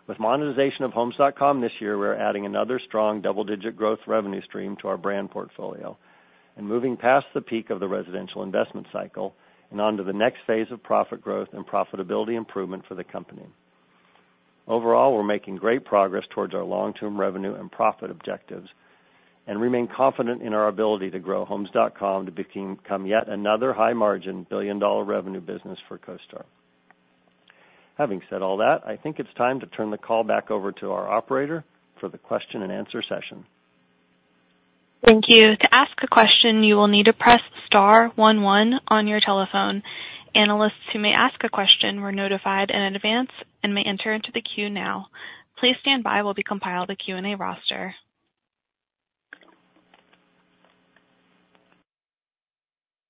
With monetization of Homes.com this year, we're adding another strong double-digit growth revenue stream to our brand portfolio and moving past the peak of the residential investment cycle and onto the next phase of profit growth and profitability improvement for the company. Overall, we're making great progress towards our long-term revenue and profit objectives and remain confident in our ability to grow Homes.com to become yet another high-margin, billion-dollar revenue business for CoStar. Having said all that, I think it's time to turn the call back over to our operator for the question and answer session. Thank you. To ask a question, you will need to press star 11 on your telephone. Analysts who may ask a question were notified in advance and may enter into the queue now. Please stand by while we compile the Q&A roster.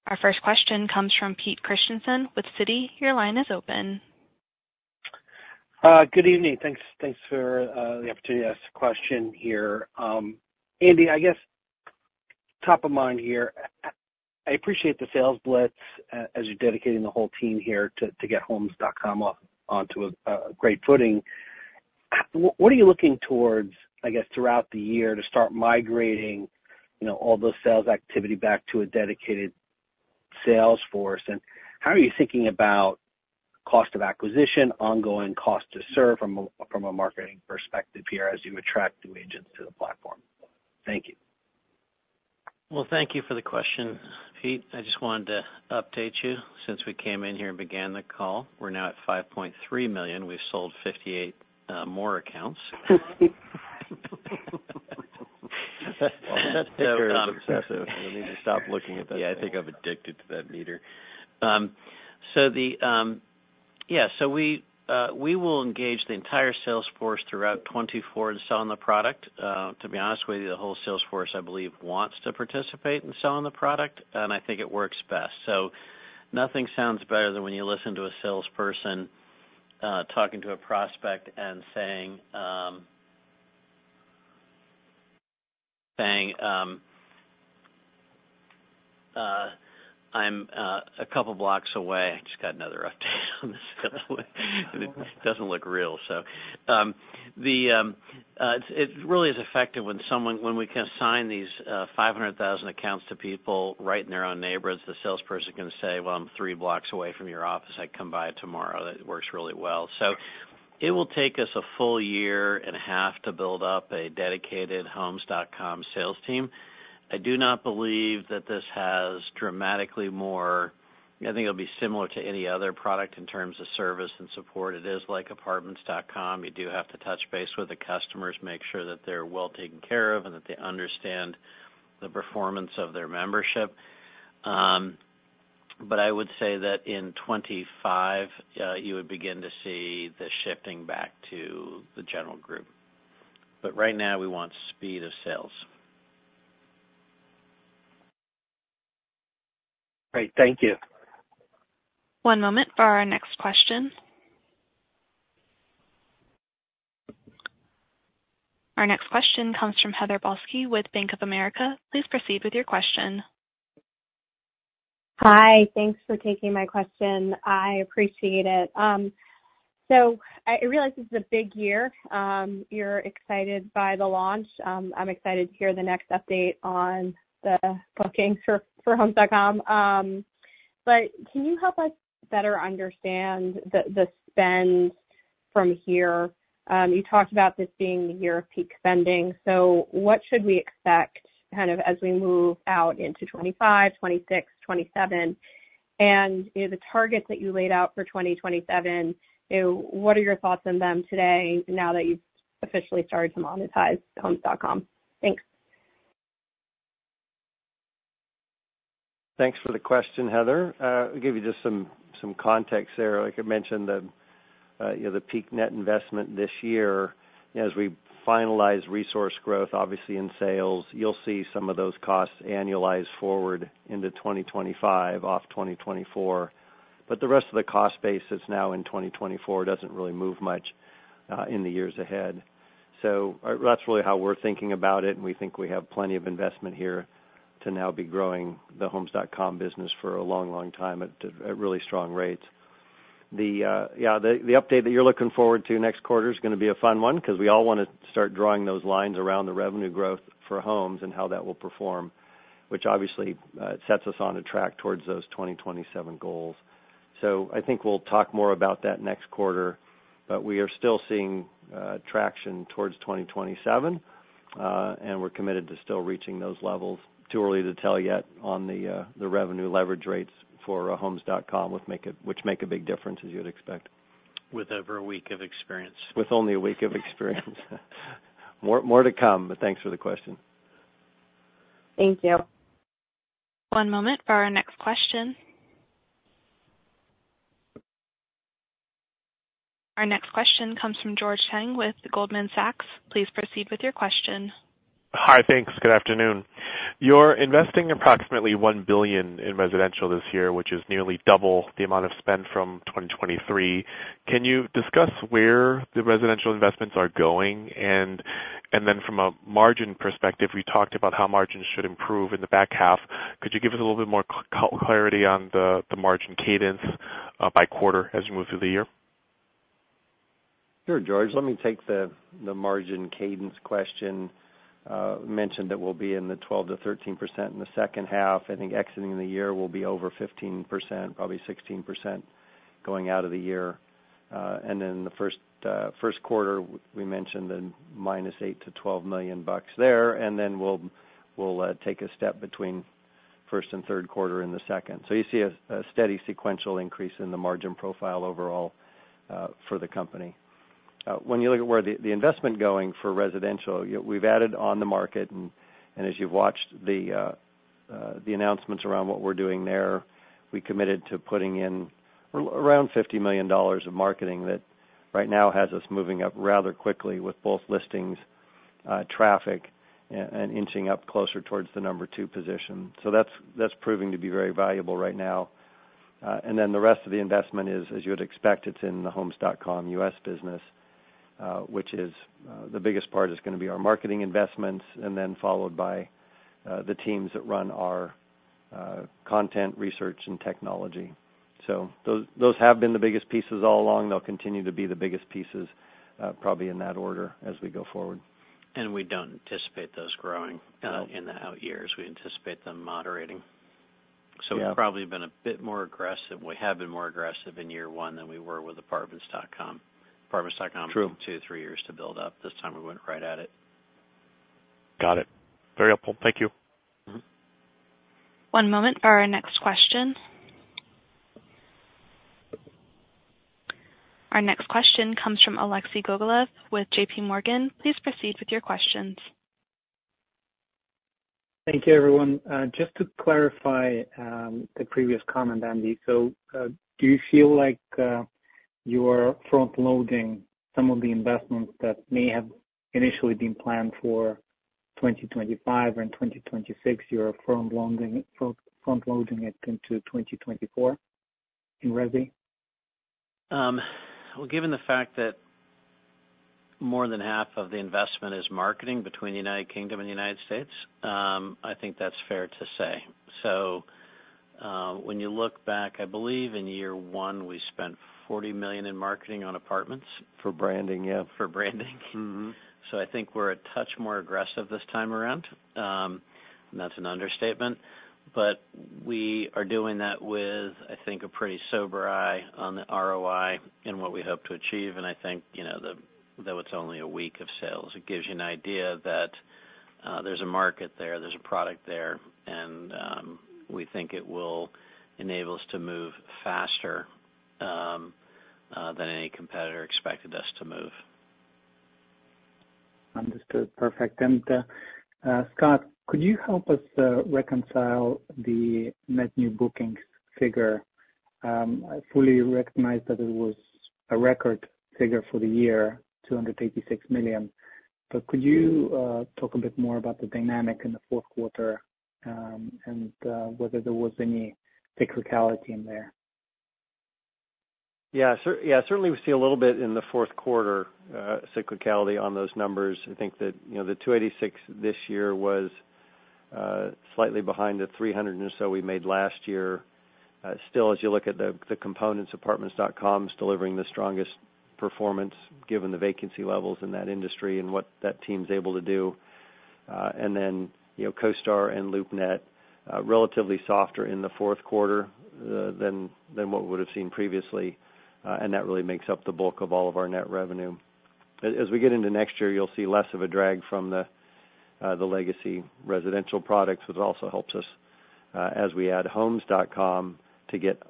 Our first question comes from Pete Christiansen with Citi. Your line is open. Good evening. Thanks for the opportunity to ask a question here. Andy, I guess top of mind here, I appreciate the sales blitz as you're dedicating the whole team here to get Homes.com onto a great footing. What are you looking towards, I guess, throughout the year to start migrating all the sales activity back to a dedicated sales force? And how are you thinking about cost of acquisition, ongoing cost to serve from a marketing perspective here as you attract new agents to the platform? Thank you. Well, thank you for the question, Pete. I just wanted to update you. Since we came in here and began the call, we're now at 5.3 million. We've sold 58 more accounts. That's very impressive. I need to stop looking at that. Yeah, I think I'm addicted to that meter. So yeah, so we will engage the entire sales force throughout 2024 in selling the product. To be honest with you, the whole sales force, I believe, wants to participate in selling the product, and I think it works best. So nothing sounds better than when you listen to a salesperson talking to a prospect and saying, "I'm a couple blocks away. I just got another update on this sales win." It doesn't look real, so. It really is effective when we can assign these 500,000 accounts to people right in their own neighborhoods. The salesperson is going to say, "Well, I'm three blocks away from your office. I'd come by tomorrow." That works really well. So it will take us a full year and a half to build up a dedicated Homes.com sales team. I do not believe that this has dramatically more. I think it'll be similar to any other product in terms of service and support. It is like Apartments.com. You do have to touch base with the customers, make sure that they're well taken care of, and that they understand the performance of their membership. But I would say that in 2025, you would begin to see the shifting back to the general group. But right now, we want speed of sales. Great. Thank you. One moment for our next question. Our next question comes from Heather Balsky with Bank of America. Please proceed with your question. Hi. Thanks for taking my question. I appreciate it. So I realize this is a big year. You're excited by the launch. I'm excited to hear the next update on the bookings for Homes.com. But can you help us better understand the spend from here? You talked about this being the year of peak spending. So what should we expect kind of as we move out into 2025, 2026, 2027? And the targets that you laid out for 2027, what are your thoughts on them today now that you've officially started to monetize Homes.com? Thanks. Thanks for the question, Heather. I'll give you just some context there. Like I mentioned, the peak net investment this year, as we finalize resource growth, obviously in sales, you'll see some of those costs annualized forward into 2025, off 2024. But the rest of the cost base that's now in 2024 doesn't really move much in the years ahead. So that's really how we're thinking about it. And we think we have plenty of investment here to now be growing the Homes.com business for a long, long time at really strong rates. Yeah, the update that you're looking forward to next quarter is going to be a fun one because we all want to start drawing those lines around the revenue growth for Homes and how that will perform, which obviously sets us on a track towards those 2027 goals. So I think we'll talk more about that next quarter. But we are still seeing traction towards 2027, and we're committed to still reaching those levels. Too early to tell yet on the revenue leverage rates for Homes.com, which make a big difference, as you'd expect. With over a week of experience. With only a week of experience. More to come, but thanks for the question. Thank you. One moment for our next question. Our next question comes from George Tong with Goldman Sachs. Please proceed with your question. Hi. Thanks. Good afternoon. You're investing approximately $1 billion in residential this year, which is nearly double the amount of spend from 2023. Can you discuss where the residential investments are going? And then from a margin perspective, we talked about how margins should improve in the back half. Could you give us a little bit more clarity on the margin cadence by quarter as you move through the year? Sure, George. Let me take the margin cadence question. I mentioned it will be in the 12%-13% in the second half. I think exiting the year will be over 15%, probably 16% going out of the year. And then in the first quarter, we mentioned the minus $8 million-$12 million there. And then we'll take a step between first and third quarter in the second. So you see a steady sequential increase in the margin profile overall for the company. When you look at where the investment is going for residential, we've added OnTheMarket. And as you've watched the announcements around what we're doing there, we committed to putting in around $50 million of marketing that right now has us moving up rather quickly with both listings, traffic, and inching up closer towards the number two position. So that's proving to be very valuable right now. And then the rest of the investment is, as you would expect, it's in the Homes.com U.S. business, which is the biggest part is going to be our marketing investments, and then followed by the teams that run our content, research, and technology. So those have been the biggest pieces all along. They'll continue to be the biggest pieces, probably in that order as we go forward. We don't anticipate those growing in the out years. We anticipate them moderating. So we've probably been a bit more aggressive. We have been more aggressive in year 1 than we were with Apartments.com. Apartments.com took two, three years to build up. This time, we went right at it. Got it. Very helpful. Thank you. One moment for our next question. Our next question comes from Alexei Gogolev with JPMorgan. Please proceed with your questions. Thank you, everyone. Just to clarify the previous comment, Andy, so do you feel like you are front-loading some of the investments that may have initially been planned for 2025 or in 2026? You are front-loading it into 2024 in resi? Well, given the fact that more than half of the investment is marketing between the United Kingdom and the United States, I think that's fair to say. So when you look back, I believe in year one, we spent $40 million in marketing on Apartments. For branding, yeah. For branding. So I think we're a touch more aggressive this time around. And that's an understatement. But we are doing that with, I think, a pretty sober eye on the ROI and what we hope to achieve. And I think though it's only a week of sales, it gives you an idea that there's a market there. There's a product there. And we think it will enable us to move faster than any competitor expected us to move. Understood. Perfect. Scott, could you help us reconcile the net new bookings figure? I fully recognize that it was a record figure for the year, $286 million. Could you talk a bit more about the dynamic in the fourth quarter and whether there was any cyclicality in there? Yeah. Certainly, we see a little bit in the fourth quarter cyclicality on those numbers. I think that the 286 this year was slightly behind the 300 or so we made last year. Still, as you look at the components, Apartments.com is delivering the strongest performance given the vacancy levels in that industry and what that team is able to do. And then CoStar and LoopNet, relatively softer in the fourth quarter than what we would have seen previously. And that really makes up the bulk of all of our net revenue. As we get into next year, you'll see less of a drag from the legacy residential products, which also helps us as we add Homes.com to get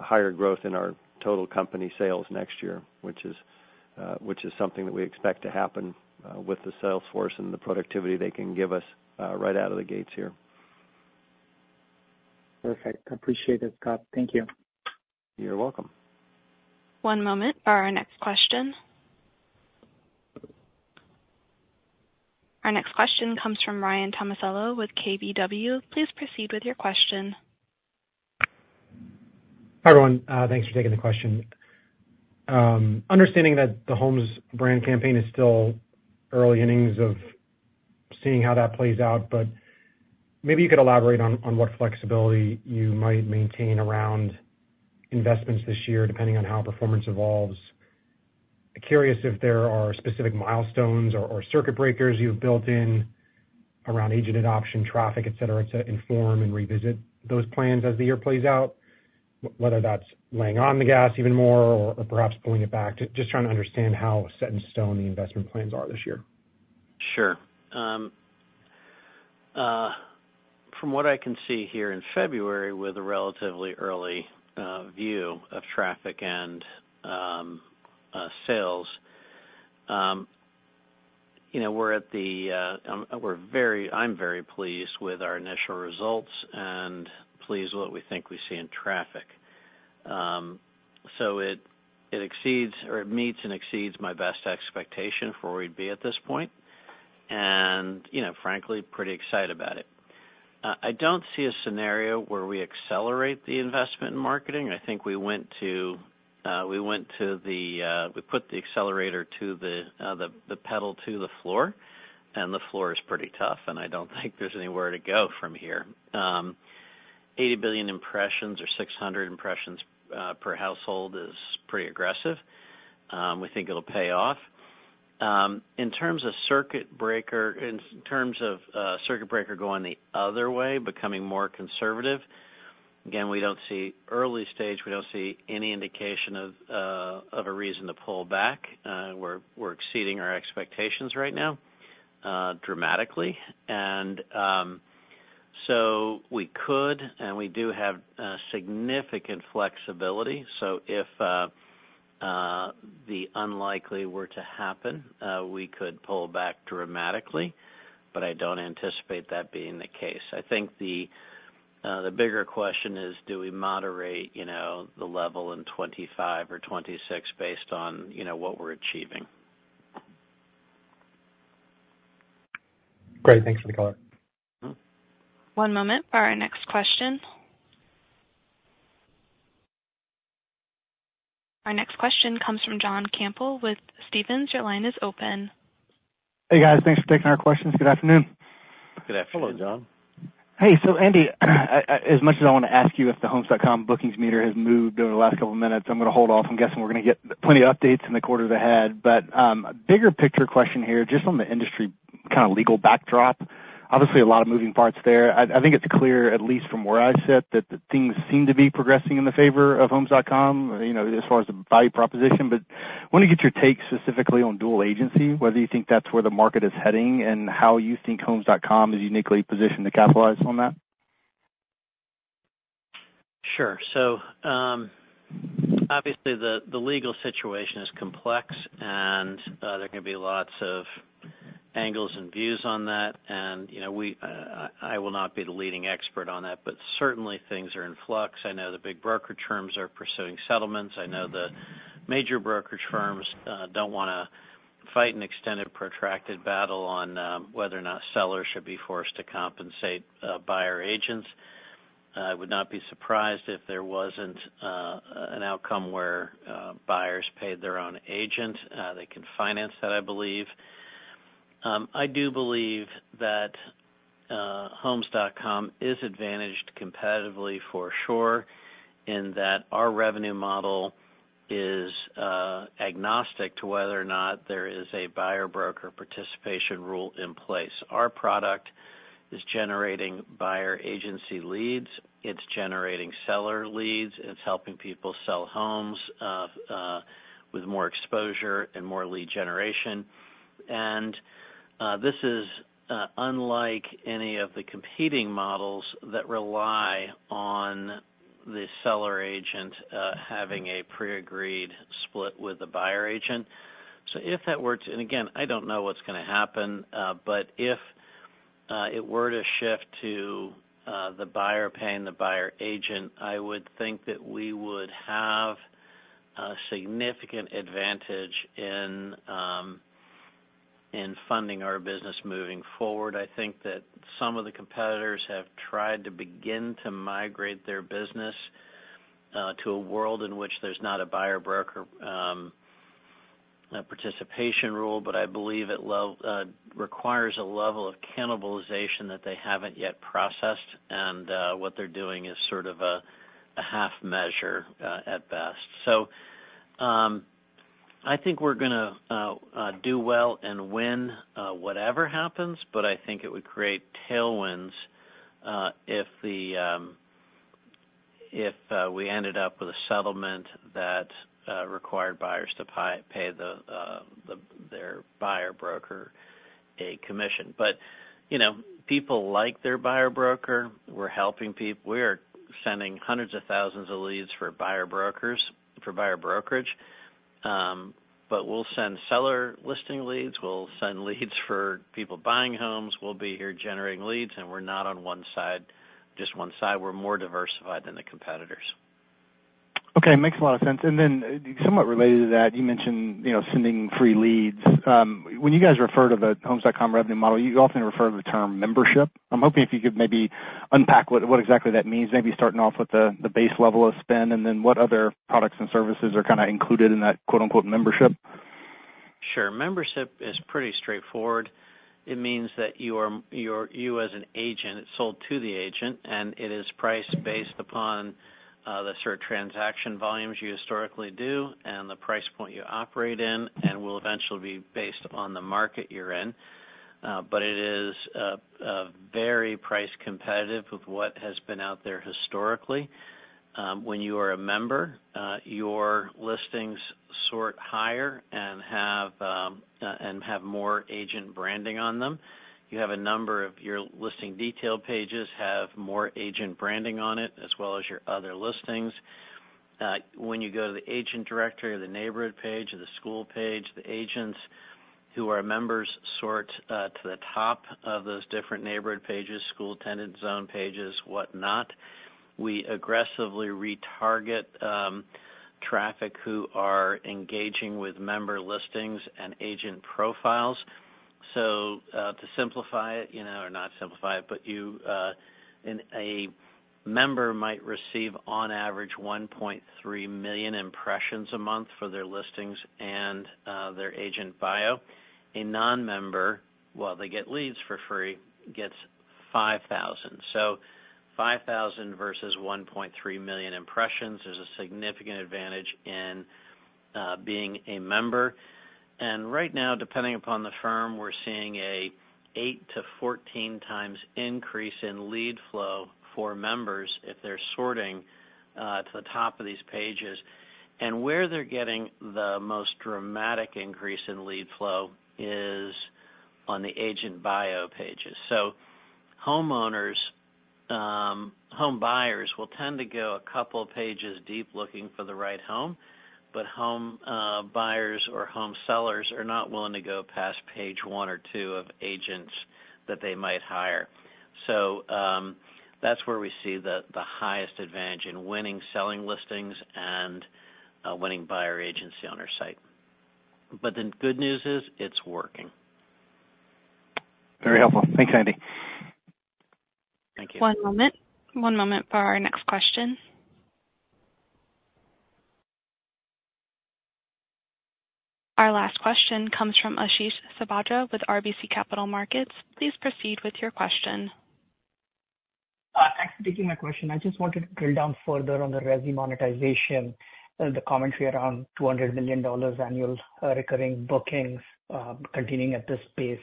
higher growth in our total company sales next year, which is something that we expect to happen with the sales force and the productivity they can give us right out of the gates here. Perfect. Appreciate it, Scott. Thank you. You're welcome. One moment for our next question. Our next question comes from Ryan Tomasello with KBW. Please proceed with your question. Hi, everyone. Thanks for taking the question. Understanding that the Homes brand campaign is still early innings of seeing how that plays out, but maybe you could elaborate on what flexibility you might maintain around investments this year depending on how performance evolves. Curious if there are specific milestones or circuit breakers you've built in around agent adoption, traffic, etc., to inform and revisit those plans as the year plays out, whether that's laying on the gas even more or perhaps pulling it back, just trying to understand how set in stone the investment plans are this year. Sure. From what I can see here in February with a relatively early view of traffic and sales, I'm very pleased with our initial results and pleased with what we think we see in traffic. So it meets and exceeds my best expectation for where we'd be at this point. And frankly, pretty excited about it. I don't see a scenario where we accelerate the investment in marketing. I think we put the accelerator to the pedal to the floor, and the floor is pretty tough. And I don't think there's anywhere to go from here. 80 billion impressions or 600 impressions per household is pretty aggressive. We think it'll pay off. In terms of circuit breaker going the other way, becoming more conservative, again, we don't see early stage. We don't see any indication of a reason to pull back. We're exceeding our expectations right now dramatically. And so we could, and we do have significant flexibility. So if the unlikely were to happen, we could pull back dramatically. But I don't anticipate that being the case. I think the bigger question is, do we moderate the level in 2025 or 2026 based on what we're achieving? Great. Thanks for the color. One moment for our next question. Our next question comes from John Campbell with Stephens. Your line is open. Hey, guys. Thanks for taking our questions. Good afternoon. Good afternoon. Hello, John. Hey. So Andy, as much as I want to ask you if the Homes.com bookings meter has moved over the last couple of minutes, I'm going to hold off. I'm guessing we're going to get plenty of updates in the quarter ahead. But bigger picture question here, just on the industry kind of legal backdrop, obviously, a lot of moving parts there. I think it's clear, at least from where I sit, that things seem to be progressing in the favor of Homes.com as far as the value proposition. But I want to get your take specifically on dual agency, whether you think that's where the market is heading and how you think Homes.com is uniquely positioned to capitalize on that. Sure. So obviously, the legal situation is complex, and there are going to be lots of angles and views on that. I will not be the leading expert on that, but certainly, things are in flux. I know the big brokerage firms are pursuing settlements. I know the major brokerage firms don't want to fight an extended protracted battle on whether or not sellers should be forced to compensate buyer agents. I would not be surprised if there wasn't an outcome where buyers paid their own agent. They can finance that, I believe. I do believe that Homes.com is advantaged competitively for sure in that our revenue model is agnostic to whether or not there is a buyer broker participation rule in place. Our product is generating buyer agency leads. It's generating seller leads. It's helping people sell homes with more exposure and more lead generation. And this is unlike any of the competing models that rely on the seller agent having a pre-agreed split with the buyer agent. So if that were to and again, I don't know what's going to happen. But if it were to shift to the buyer paying the buyer agent, I would think that we would have a significant advantage in funding our business moving forward. I think that some of the competitors have tried to begin to migrate their business to a world in which there's not a buyer broker participation rule. But I believe it requires a level of cannibalization that they haven't yet processed. And what they're doing is sort of a half measure at best. So I think we're going to do well and win whatever happens. I think it would create tailwinds if we ended up with a settlement that required buyers to pay their buyer broker a commission. People like their buyer broker. We're helping people. We are sending hundreds of thousands of leads for buyer brokers, for buyer brokerage. We'll send seller listing leads. We'll send leads for people buying homes. We'll be here generating leads. We're not on one side, just one side. We're more diversified than the competitors. Okay. Makes a lot of sense. And then somewhat related to that, you mentioned sending free leads. When you guys refer to the Homes.com revenue model, you often refer to the term membership. I'm hoping if you could maybe unpack what exactly that means, maybe starting off with the base level of spend and then what other products and services are kind of included in that "membership"? Sure. Membership is pretty straightforward. It means that you, as an agent, it's sold to the agent. It is priced based upon the sort of transaction volumes you historically do and the price point you operate in and will eventually be based on the market you're in. It is very price competitive with what has been out there historically. When you are a member, your listings sort higher and have more agent branding on them. You have a number of your listing detail pages have more agent branding on it as well as your other listings. When you go to the agent directory, the neighborhood page, the school page, the agents who are members sort to the top of those different neighborhood pages, school attendance zone pages, whatnot. We aggressively retarget traffic who are engaging with member listings and agent profiles. So to simplify it or not simplify it, but a member might receive, on average, 1.3 million impressions a month for their listings and their agent bio. A non-member, while they get leads for free, gets 5,000. So 5,000 versus 1.3 million impressions is a significant advantage in being a member. And right now, depending upon the firm, we're seeing an 8x to 14x increase in lead flow for members if they're sorting to the top of these pages. And where they're getting the most dramatic increase in lead flow is on the agent bio pages. So home buyers will tend to go a couple of pages deep looking for the right home. But home buyers or home sellers are not willing to go past page one or two of agents that they might hire. That's where we see the highest advantage in winning selling listings and winning buyer agency on our site. The good news is it's working. Very helpful. Thanks, Andy. Thank you. One moment. One moment for our next question. Our last question comes from Ashish Sabadra with RBC Capital Markets. Please proceed with your question. Thanks for taking my question. I just wanted to drill down further on the Homes.com monetization, the commentary around $200 million annual recurring bookings continuing at this pace.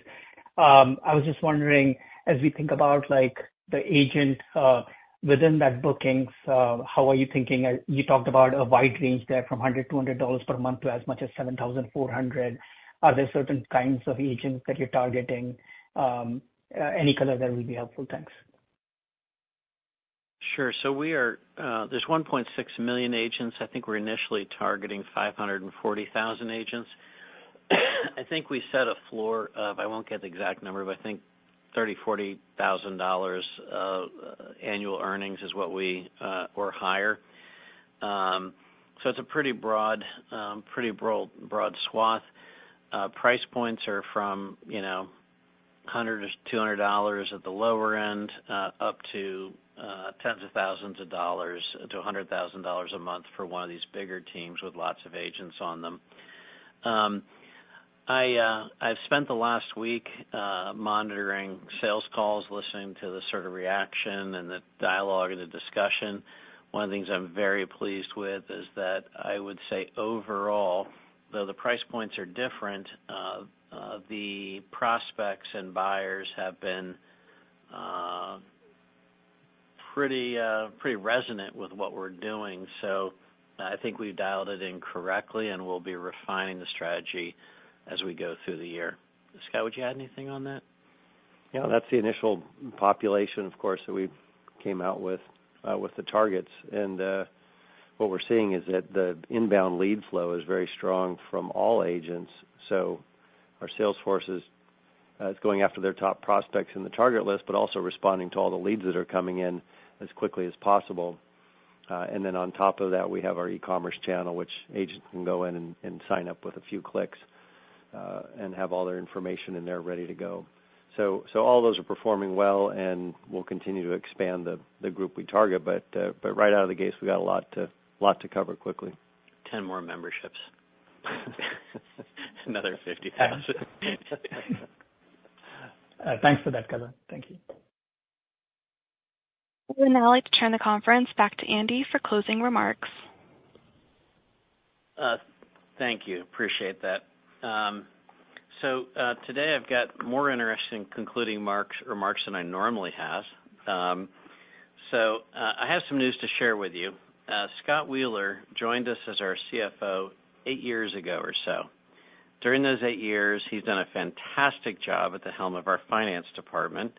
I was just wondering, as we think about the agent within that bookings, how are you thinking? You talked about a wide range there from $100-$200 per month to as much as $7,400. Are there certain kinds of agents that you're targeting? Any color there would be helpful. Thanks. Sure. So there's 1.6 million agents. I think we're initially targeting 540,000 agents. I think we set a floor of, I won't get the exact number, but I think $30,000-$40,000 annual earnings or higher. So it's a pretty broad swath. Price points are from $100-$200 at the lower end up to tens of thousands of dollars to $100,000 a month for one of these bigger teams with lots of agents on them. I've spent the last week monitoring sales calls, listening to the sort of reaction and the dialogue and the discussion. One of the things I'm very pleased with is that I would say overall, though the price points are different, the prospects and buyers have been pretty resonant with what we're doing. So I think we've dialed it in correctly, and we'll be refining the strategy as we go through the year. Scott, would you add anything on that? Yeah. That's the initial population, of course, that we came out with the targets. What we're seeing is that the inbound lead flow is very strong from all agents. Our sales force is going after their top prospects in the target list but also responding to all the leads that are coming in as quickly as possible. Then on top of that, we have our e-commerce channel, which agents can go in and sign up with a few clicks and have all their information in there ready to go. All those are performing well, and we'll continue to expand the group we target. Right out of the gates, we got a lot to cover quickly. 10 more memberships. Another 50,000. Thanks for that color. Thank you. Well, now I'd like to turn the conference back to Andy for closing remarks. Thank you. Appreciate that. So today, I've got more interesting concluding remarks than I normally have. So I have some news to share with you. Scott Wheeler joined us as our CFO eight years ago or so. During those eight years, he's done a fantastic job at the helm of our finance department.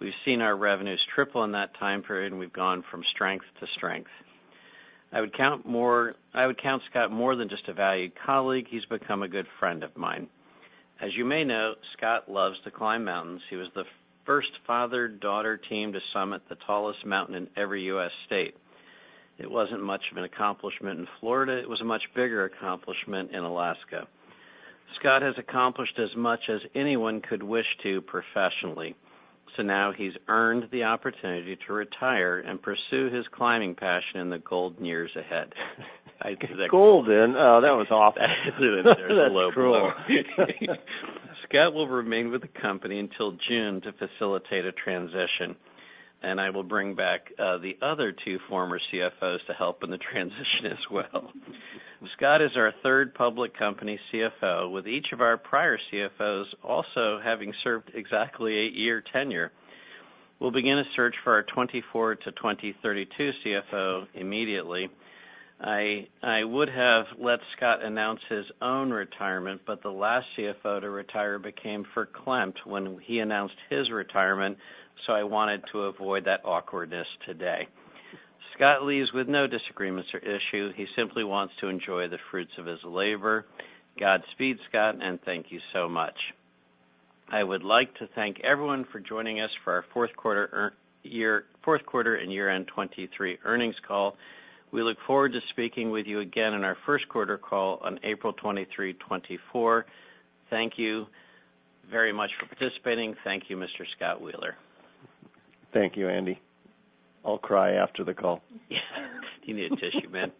We've seen our revenues triple in that time period, and we've gone from strength to strength. I would count Scott more than just a valued colleague. He's become a good friend of mine. As you may know, Scott loves to climb mountains. He was the first father-daughter team to summit the tallest mountain in every U.S. state. It wasn't much of an accomplishment in Florida. It was a much bigger accomplishment in Alaska. Scott has accomplished as much as anyone could wish to professionally. So now, he's earned the opportunity to retire and pursue his climbing passion in the golden years ahead. Golden, that was awesome. Absolutely. There's a low point. Scott will remain with the company until June to facilitate a transition. I will bring back the other two former CFOs to help in the transition as well. Scott is our third public company CFO, with each of our prior CFOs also having served exactly eight-year tenure. We'll begin a search for our 2024 to 2032 CFO immediately. I would have let Scott announce his own retirement, but the last CFO to retire became verklempt when he announced his retirement. I wanted to avoid that awkwardness today. Scott leaves with no disagreements or issues. He simply wants to enjoy the fruits of his labor. Godspeed, Scott, and thank you so much. I would like to thank everyone for joining us for our fourth quarter and year-end 2023 earnings call. We look forward to speaking with you again in our first quarter call on April 23, 2024. Thank you very much for participating. Thank you, Mr. Scott Wheeler. Thank you, Andy. I'll cry after the call. You need a tissue, man.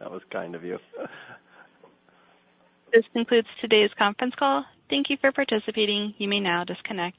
That was kind of you. This concludes today's conference call. Thank you for participating. You may now disconnect.